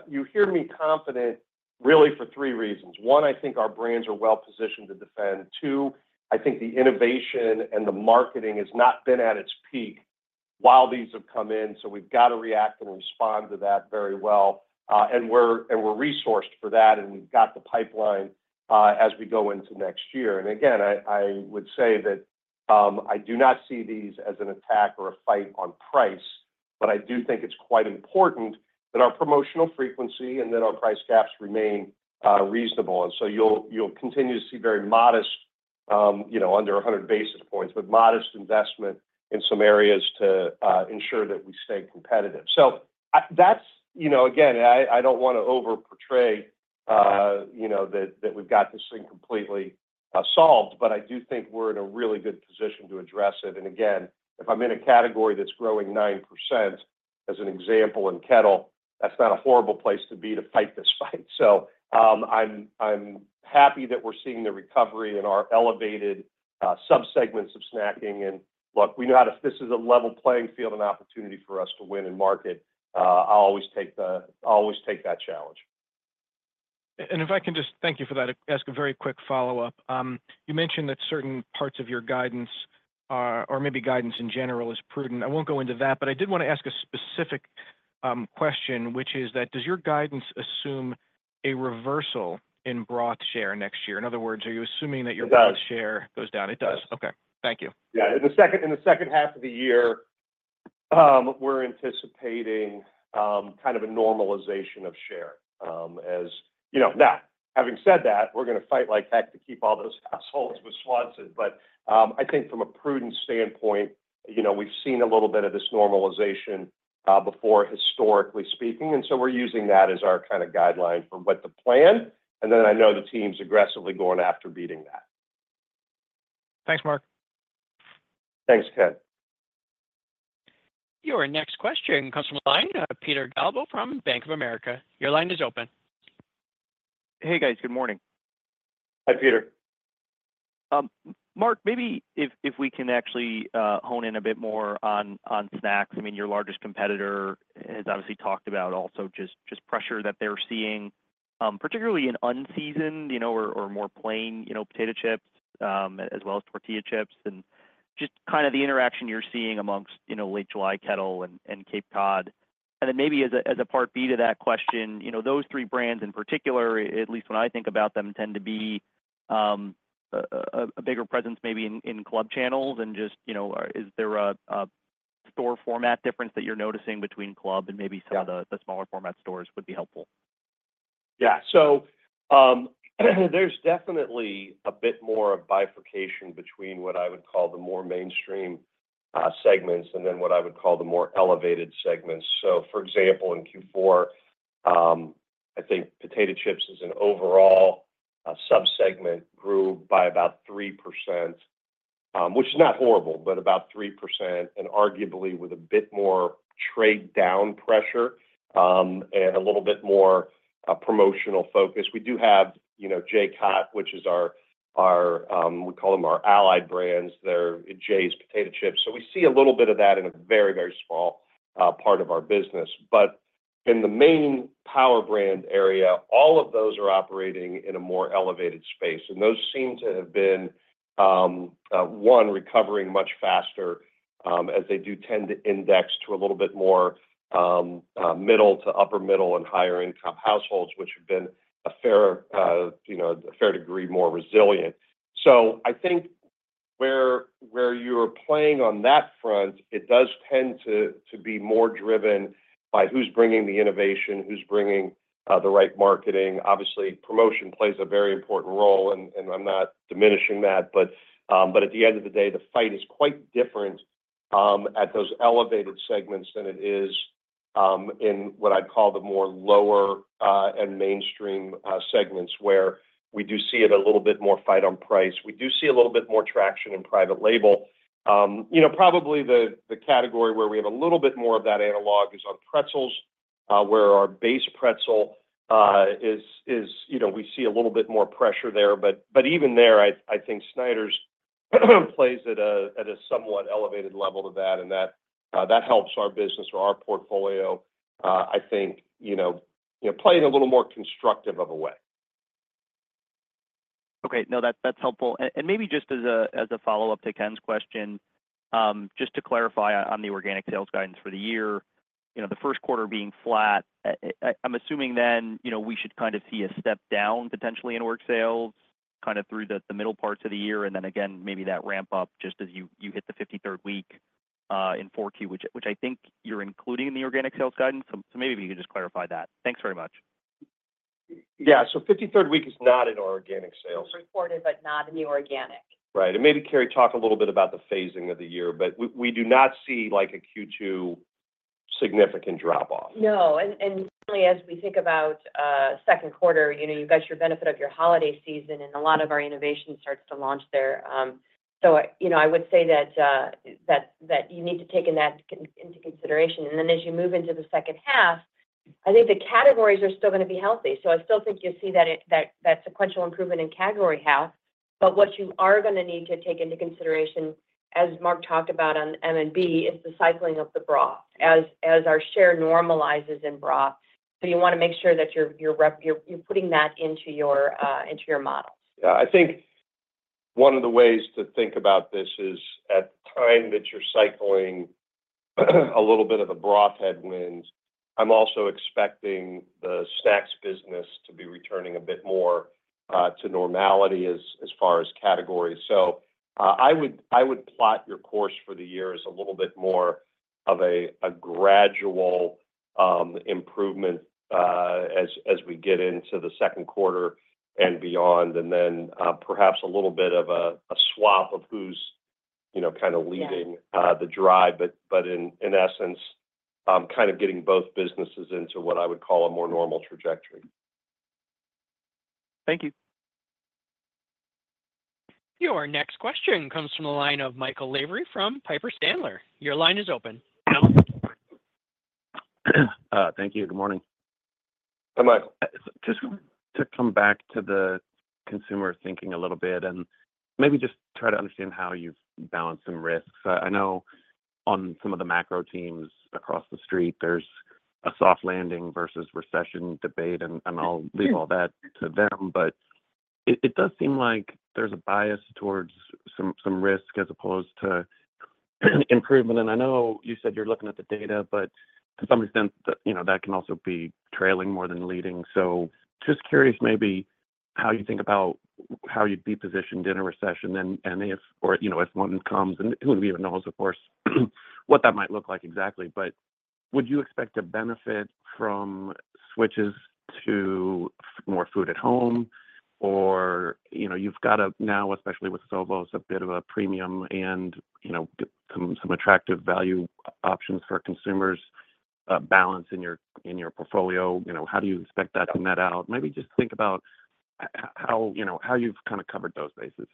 me confident really for three reasons: one, I think our brands are well positioned to defend. Two, I think the innovation and the marketing has not been at its peak while these have come in, so we've got to react and respond to that very well. And we're resourced for that, and we've got the pipeline as we go into next year. And again, I would say that I do not see these as an attack or a fight on price, but I do think it's quite important that our promotional frequency and that our price gaps remain reasonable. And so you'll continue to see very modest, you know, under 100 basis points, but modest investment in some areas to ensure that we stay competitive. That's, you know, again, I don't want to overportray, you know, that we've got this thing completely solved, but I do think we're in a really good position to address it. Again, if I'm in a category that's growing 9%, as an example, in Kettle, that's not a horrible place to be to fight this fight. I'm happy that we're seeing the recovery in our elevated subsegments of snacking. Look, we know if this is a level playing field, an opportunity for us to win in the market. I'll always take that challenge. And if I can just thank you for that, ask a very quick follow-up. You mentioned that certain parts of your guidance are, or maybe guidance in general is prudent. I won't go into that, but I did want to ask a specific, question, which is that, does your guidance assume a reversal in broth share next year? In other words, are you assuming that your- It does... broth share goes down? It does. Okay. Thank you. Yeah. In the second half of the year, we're anticipating kind of a normalization of share. As you know... Now, having said that, we're gonna fight like heck to keep all those households with Swanson. But I think from a prudent standpoint, you know, we've seen a little bit of this normalization before, historically speaking, and so we're using that as our kind of guideline for what the plan, and then I know the team's aggressively going after beating that. Thanks, Mark. Thanks, Ken. Your next question comes from the line, Peter Galbo from Bank of America. Your line is open. Hey, guys. Good morning. Hi, Peter. Mark, maybe if we can actually hone in a bit more on Snacks. I mean, your largest competitor has obviously talked about also just pressure that they're seeing, particularly in unseasoned, you know, or more plain, you know, potato chips, as well as tortilla chips, and just kind of the interaction you're seeing amongst, you know, Late July, Kettle, and Cape Cod. And then maybe as a part B to that question, you know, those three brands in particular, at least when I think about them, tend to be a bigger presence maybe in club channels than just, you know. Is there a store format difference that you're noticing between club and maybe some- Yeah.... of the smaller format stores would be helpful. Yeah. So, there's definitely a bit more of bifurcation between what I would call the more mainstream segments and then what I would call the more elevated segments. So, for example, in Q4, I think potato chips as an overall subsegment grew by about 3%, which is not horrible, but about 3%, and arguably with a bit more trade down pressure and a little bit more promotional focus. We do have, you know, Jays, which is our, we call them our allied brands. They're Jays Potato Chips, so we see a little bit of that in a very, very small part of our business. But in the main power brand area, all of those are operating in a more elevated space, and those seem to have been recovering much faster, as they do tend to index to a little bit more middle to upper middle and higher income households, which have been a fair you know a fair degree more resilient. So I think where you're playing on that front, it does tend to be more driven by who's bringing the innovation, who's bringing the right marketing. Obviously, promotion plays a very important role, and I'm not diminishing that, but at the end of the day, the fight is quite different at those elevated segments than it is in what I'd call the more lower and mainstream segments, where we do see a little bit more fight on price. We do see a little bit more traction in private label. You know, probably the category where we have a little bit more of that analogy is on pretzels, where our base pretzel is, you know, we see a little bit more pressure there. But even there, I think Snyder's plays at a somewhat elevated level to that, and that helps our business or our portfolio, I think, you know, play in a little more constructive of a way.... Okay. No, that's, that's helpful, and maybe just as a, as a follow-up to Ken's question, just to clarify on, on the organic sales guidance for the year, you know, the first quarter being flat, I'm assuming then, you know, we should kind of see a step down potentially in org sales, kind of through the, the middle parts of the year, and then again, maybe that ramp up just as you, you hit the 53rd week, in Q4 which, which I think you're including in the organic sales guidance. So, so maybe you could just clarify that. Thanks very much. Yeah, so 53rd week is not in our organic sales. It's reported, but not in the organic. Right, and maybe, Carrie, talk a little bit about the phasing of the year, but we, we do not see, like, a Q2 significant drop-off. No. And certainly, as we think about second quarter, you know, you've got your benefit of your holiday season, and a lot of our innovation starts to launch there. So, you know, I would say that you need to take that into consideration. And then as you move into the second half, I think the categories are still gonna be healthy. So I still think you'll see that sequential improvement in category health. But what you are gonna need to take into consideration, as Mark talked about on M&B, is the cycling of the broth, as our share normalizes in broth. So you want to make sure that you're putting that into your models. Yeah. I think one of the ways to think about this is, at the time that you're cycling a little bit of a broth headwind, I'm also expecting the snacks business to be returning a bit more to normality as far as categories. So, I would plot your course for the year as a little bit more of a gradual improvement as we get into the second quarter and beyond, and then perhaps a little bit of a swap of who's, you know, kind of leading- Yeah... the drive. But in essence, kind of getting both businesses into what I would call a more normal trajectory. Thank you. Your next question comes from the line of Michael Lavery from Piper Sandler. Your line is open. Thank you. Good morning. Hi, Mike. Just want to come back to the consumer thinking a little bit, and maybe just try to understand how you've balanced some risks. I know on some of the macro teams across the street, there's a soft landing versus recession debate, and I'll leave all that to them. But it does seem like there's a bias towards some risk as opposed to improvement. And I know you said you're looking at the data, but to some extent, you know, that can also be trailing more than leading. So just curious maybe how you think about how you'd be positioned in a recession, and if, or, you know, if one comes, and who even knows, of course, what that might look like exactly. But would you expect to benefit from switches to more food at home? Or, you know, you've got now, especially with Sovos, a bit of a premium, and, you know, some attractive value options for consumers, balance in your portfolio. You know, how do you expect that to net out? Maybe just think about how, you know, how you've kind of covered those bases.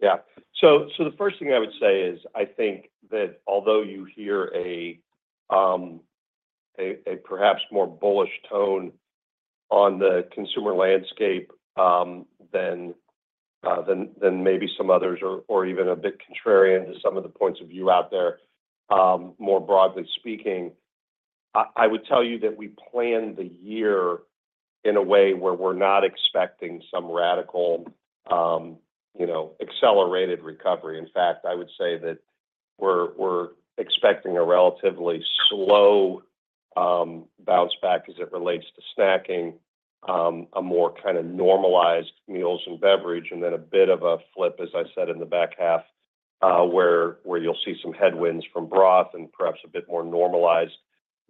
Yeah. So the first thing I would say is, I think that although you hear a perhaps more bullish tone on the consumer landscape than maybe some others or even a bit contrarian to some of the points of view out there, more broadly speaking, I would tell you that we planned the year in a way where we're not expecting some radical, you know, accelerated recovery. In fact, I would say that we're expecting a relatively slow bounce back as it relates to snacking, a more kind of normalized Meals and Beverages, and then a bit of a flip, as I said, in the back half, where you'll see some headwinds from broth and perhaps a bit more normalized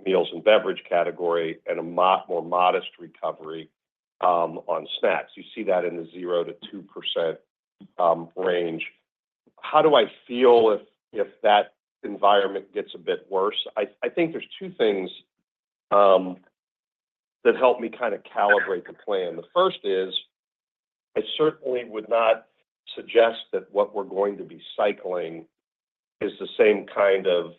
Meals and Beverages category, and a more modest recovery on Snacks. You see that in the 0%-2% range. How do I feel if that environment gets a bit worse? I think there's two things that help me kind of calibrate the plan. The first is, I certainly would not suggest that what we're going to be cycling is the same kind of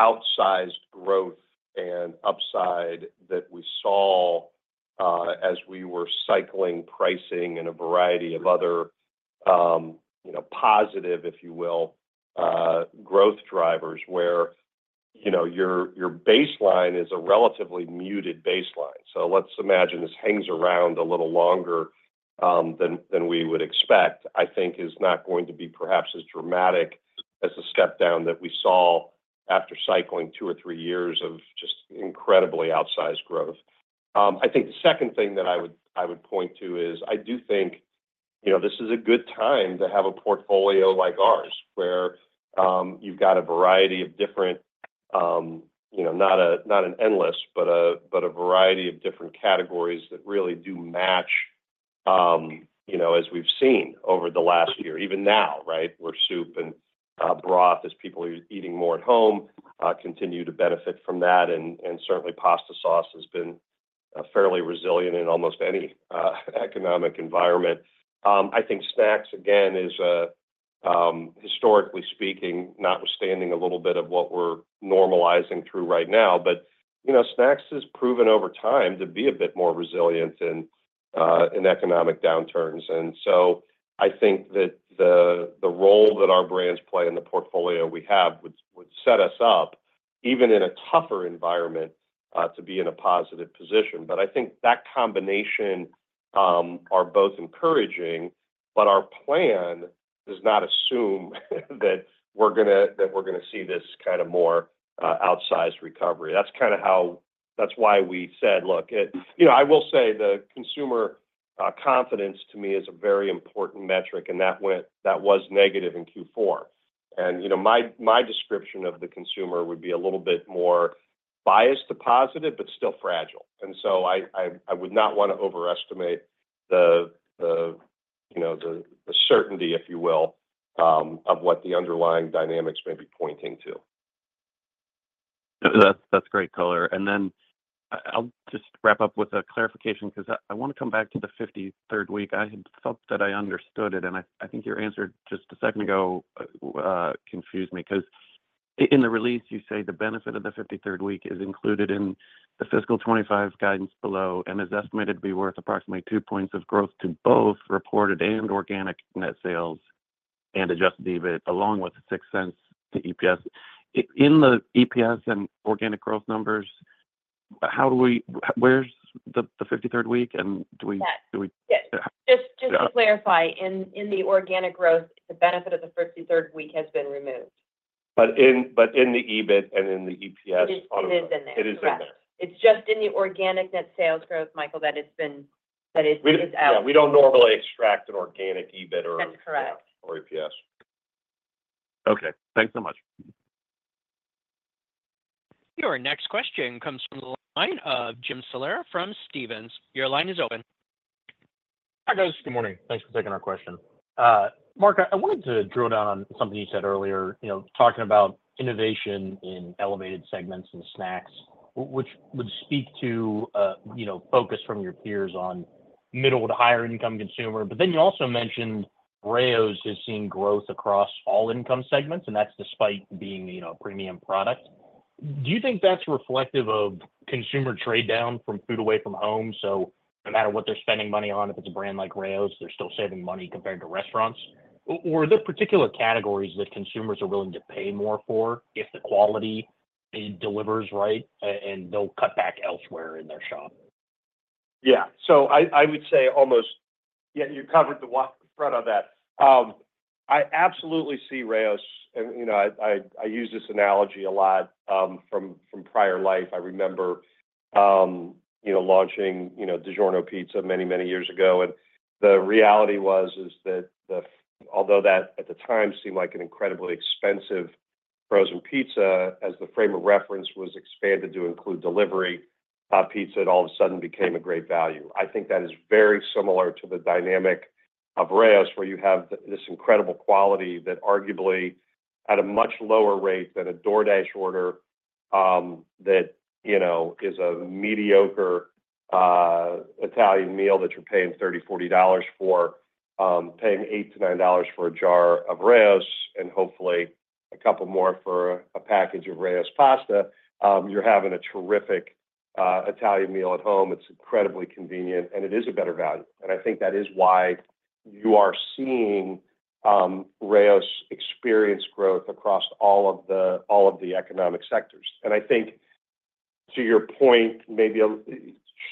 outsized growth and upside that we saw as we were cycling pricing and a variety of other, you know, positive, if you will, growth drivers, where, you know, your baseline is a relatively muted baseline. So let's imagine this hangs around a little longer than we would expect. I think is not going to be perhaps as dramatic as the step down that we saw after cycling two or three years of just incredibly outsized growth. I think the second thing that I would point to is. I do think, you know, this is a good time to have a portfolio like ours, where you've got a variety of different, you know, not an endless, but a variety of different categories that really do match, you know, as we've seen over the last year. Even now, right, where soup and broth, as people are eating more at home, continue to benefit from that, and certainly pasta sauce has been fairly resilient in almost any economic environment. I think Snacks, again, is historically speaking, notwithstanding a little bit of what we're normalizing through right now. But, you know, Snacks has proven over time to be a bit more resilient in economic downturns. And so I think that the role that our brands play in the portfolio we have would set us up even in a tougher environment to be in a positive position. But I think that combination are both encouraging, but our plan does not assume that we're gonna see this kind of more outsized recovery. That's kind of how that's why we said, look, you know, I will say the consumer confidence to me is a very important metric, and that was negative in Q4. And, you know, my description of the consumer would be a little bit more biased to positive, but still fragile. And so I would not want to overestimate the, you know, the certainty, if you will, of what the underlying dynamics may be pointing to. That's great color. And then I'll just wrap up with a clarification, 'cause I want to come back to the 53rd week. I had felt that I understood it, and I think your answer just a second ago confused me. 'Cause in the release, you say the benefit of the 53rd week is included in the fiscal 2025 guidance below and is estimated to be worth approximately two points of growth to both reported and organic net sales and Adjusted EBIT, along with the $0.06, the EPS. In the EPS and organic growth numbers, how do we – where's the 53rd week, and do we- Yes. Do we- Yes. Yeah. Just to clarify, in the organic growth, the benefit of the 53rd week has been removed. But in the EBIT and in the EPS- It is in there. It is in there. Correct. It's just in the organic net sales growth, Michael, that it's been, that is out. Yeah, we don't normally extract an organic EBIT or- That's correct. Or EPS. Okay. Thanks so much. Your next question comes from the line of Jim Salera from Stephens. Your line is open. Hi, guys. Good morning. Thanks for taking our question. Mark, I wanted to drill down on something you said earlier, you know, talking about innovation in elevated segments and Snacks, which would speak to, you know, focus from your peers on middle-to-higher-income consumer. But then you also mentioned Rao's is seeing growth across all income segments, and that's despite being, you know, a premium product. Do you think that's reflective of consumer trade-down from food away from home? So no matter what they're spending money on, if it's a brand like Rao's, they're still saving money compared to restaurants. Or are there particular categories that consumers are willing to pay more for if the quality it delivers right, and they'll cut back elsewhere in their shop? Yeah. So I would say almost. Yeah, you covered the front of that. I absolutely see Rao's, and, you know, I use this analogy a lot from prior life. I remember, you know, launching, you know, DiGiorno pizza many, many years ago. And the reality was that although that at the time seemed like an incredibly expensive frozen pizza, as the frame of reference was expanded to include delivery pizza, it all of a sudden became a great value. I think that is very similar to the dynamic of Rao's, where you have this incredible quality that arguably at a much lower rate than a DoorDash order, that, you know, is a mediocre Italian meal that you're paying $30-$40 for, paying $8-$9 for a jar of Rao's, and hopefully a couple more for a package of Rao's pasta. You're having a terrific Italian meal at home. It's incredibly convenient, and it is a better value. I think that is why you are seeing Rao's experience growth across all of the economic sectors. And I think to your point, maybe,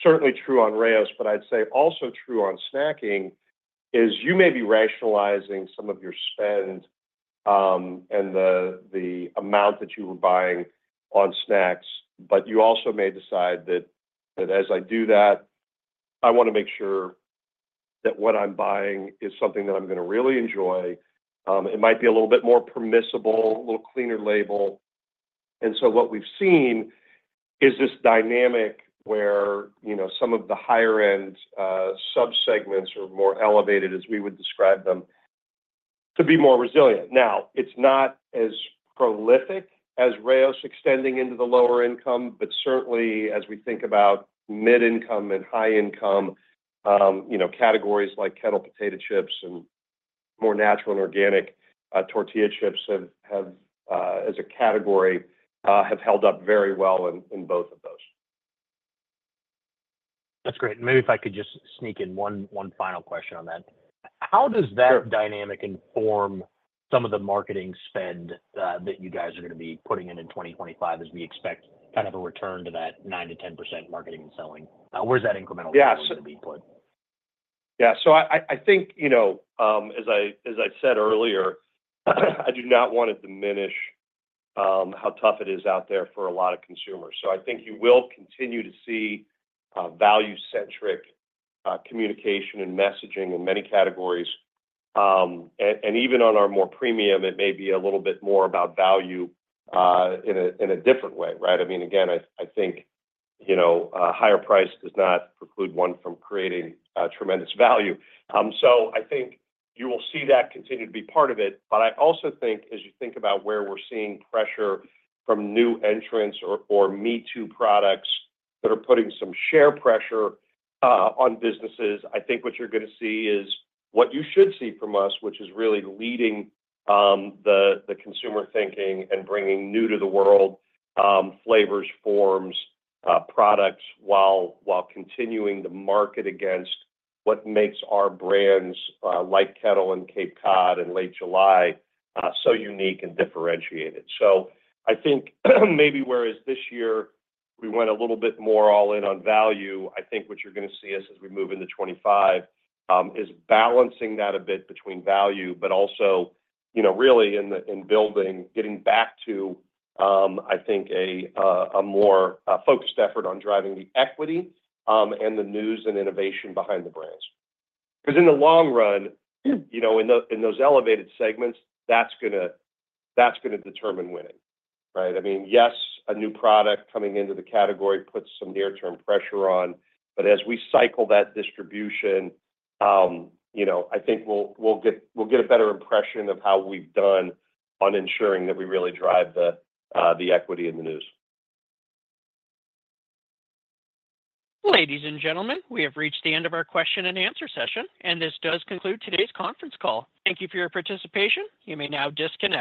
certainly true on Rao's, but I'd say also true on snacking, is you may be rationalizing some of your spend, and the amount that you were buying on Snacks, but you also may decide that as I do that, I want to make sure that what I'm buying is something that I'm gonna really enjoy. It might be a little bit more permissible, a little cleaner label. And so what we've seen is this dynamic where, you know, some of the higher-end subsegments are more elevated, as we would describe them, to be more resilient. Now, it's not as prolific as Rao's extending into the lower income, but certainly as we think about mid-income and high-income, you know, categories like Kettle potato chips and more natural and organic tortilla chips have, as a category, have held up very well in both of those. That's great. And maybe if I could just sneak in one final question on that. Sure. How does that dynamic inform some of the marketing spend that you guys are gonna be putting in in 2025, as we expect kind of a return to that 9%-10% marketing and selling? Where's that incremental- Yeah. Going to be put? Yeah. So I think, you know, as I said earlier, I do not want to diminish how tough it is out there for a lot of consumers. So I think you will continue to see value-centric communication and messaging in many categories. And even on our more premium, it may be a little bit more about value in a different way, right? I mean, again, I think, you know, a higher price does not preclude one from creating tremendous value. So I think you will see that continue to be part of it. But I also think as you think about where we're seeing pressure from new entrants or me-too products that are putting some share pressure on businesses, I think what you're gonna see is what you should see from us, which is really leading the consumer thinking and bringing new to the world flavors, forms, products, while continuing to market against what makes our brands like Kettle and Cape Cod and Late July so unique and differentiated. So I think maybe whereas this year we went a little bit more all in on value. I think what you're gonna see as we move into 2025 is balancing that a bit between value, but also, you know, really in building, getting back to, I think, a more focused effort on driving the equity and the news and innovation behind the brands. Because in the long run, you know, in those elevated segments, that's gonna determine winning, right? I mean, yes, a new product coming into the category puts some near-term pressure on, but as we cycle that distribution, you know, I think we'll get a better impression of how we've done on ensuring that we really drive the equity in the news. Ladies and gentlemen, we have reached the end of our question and answer session, and this does conclude today's conference call. Thank you for your participation. You may now disconnect.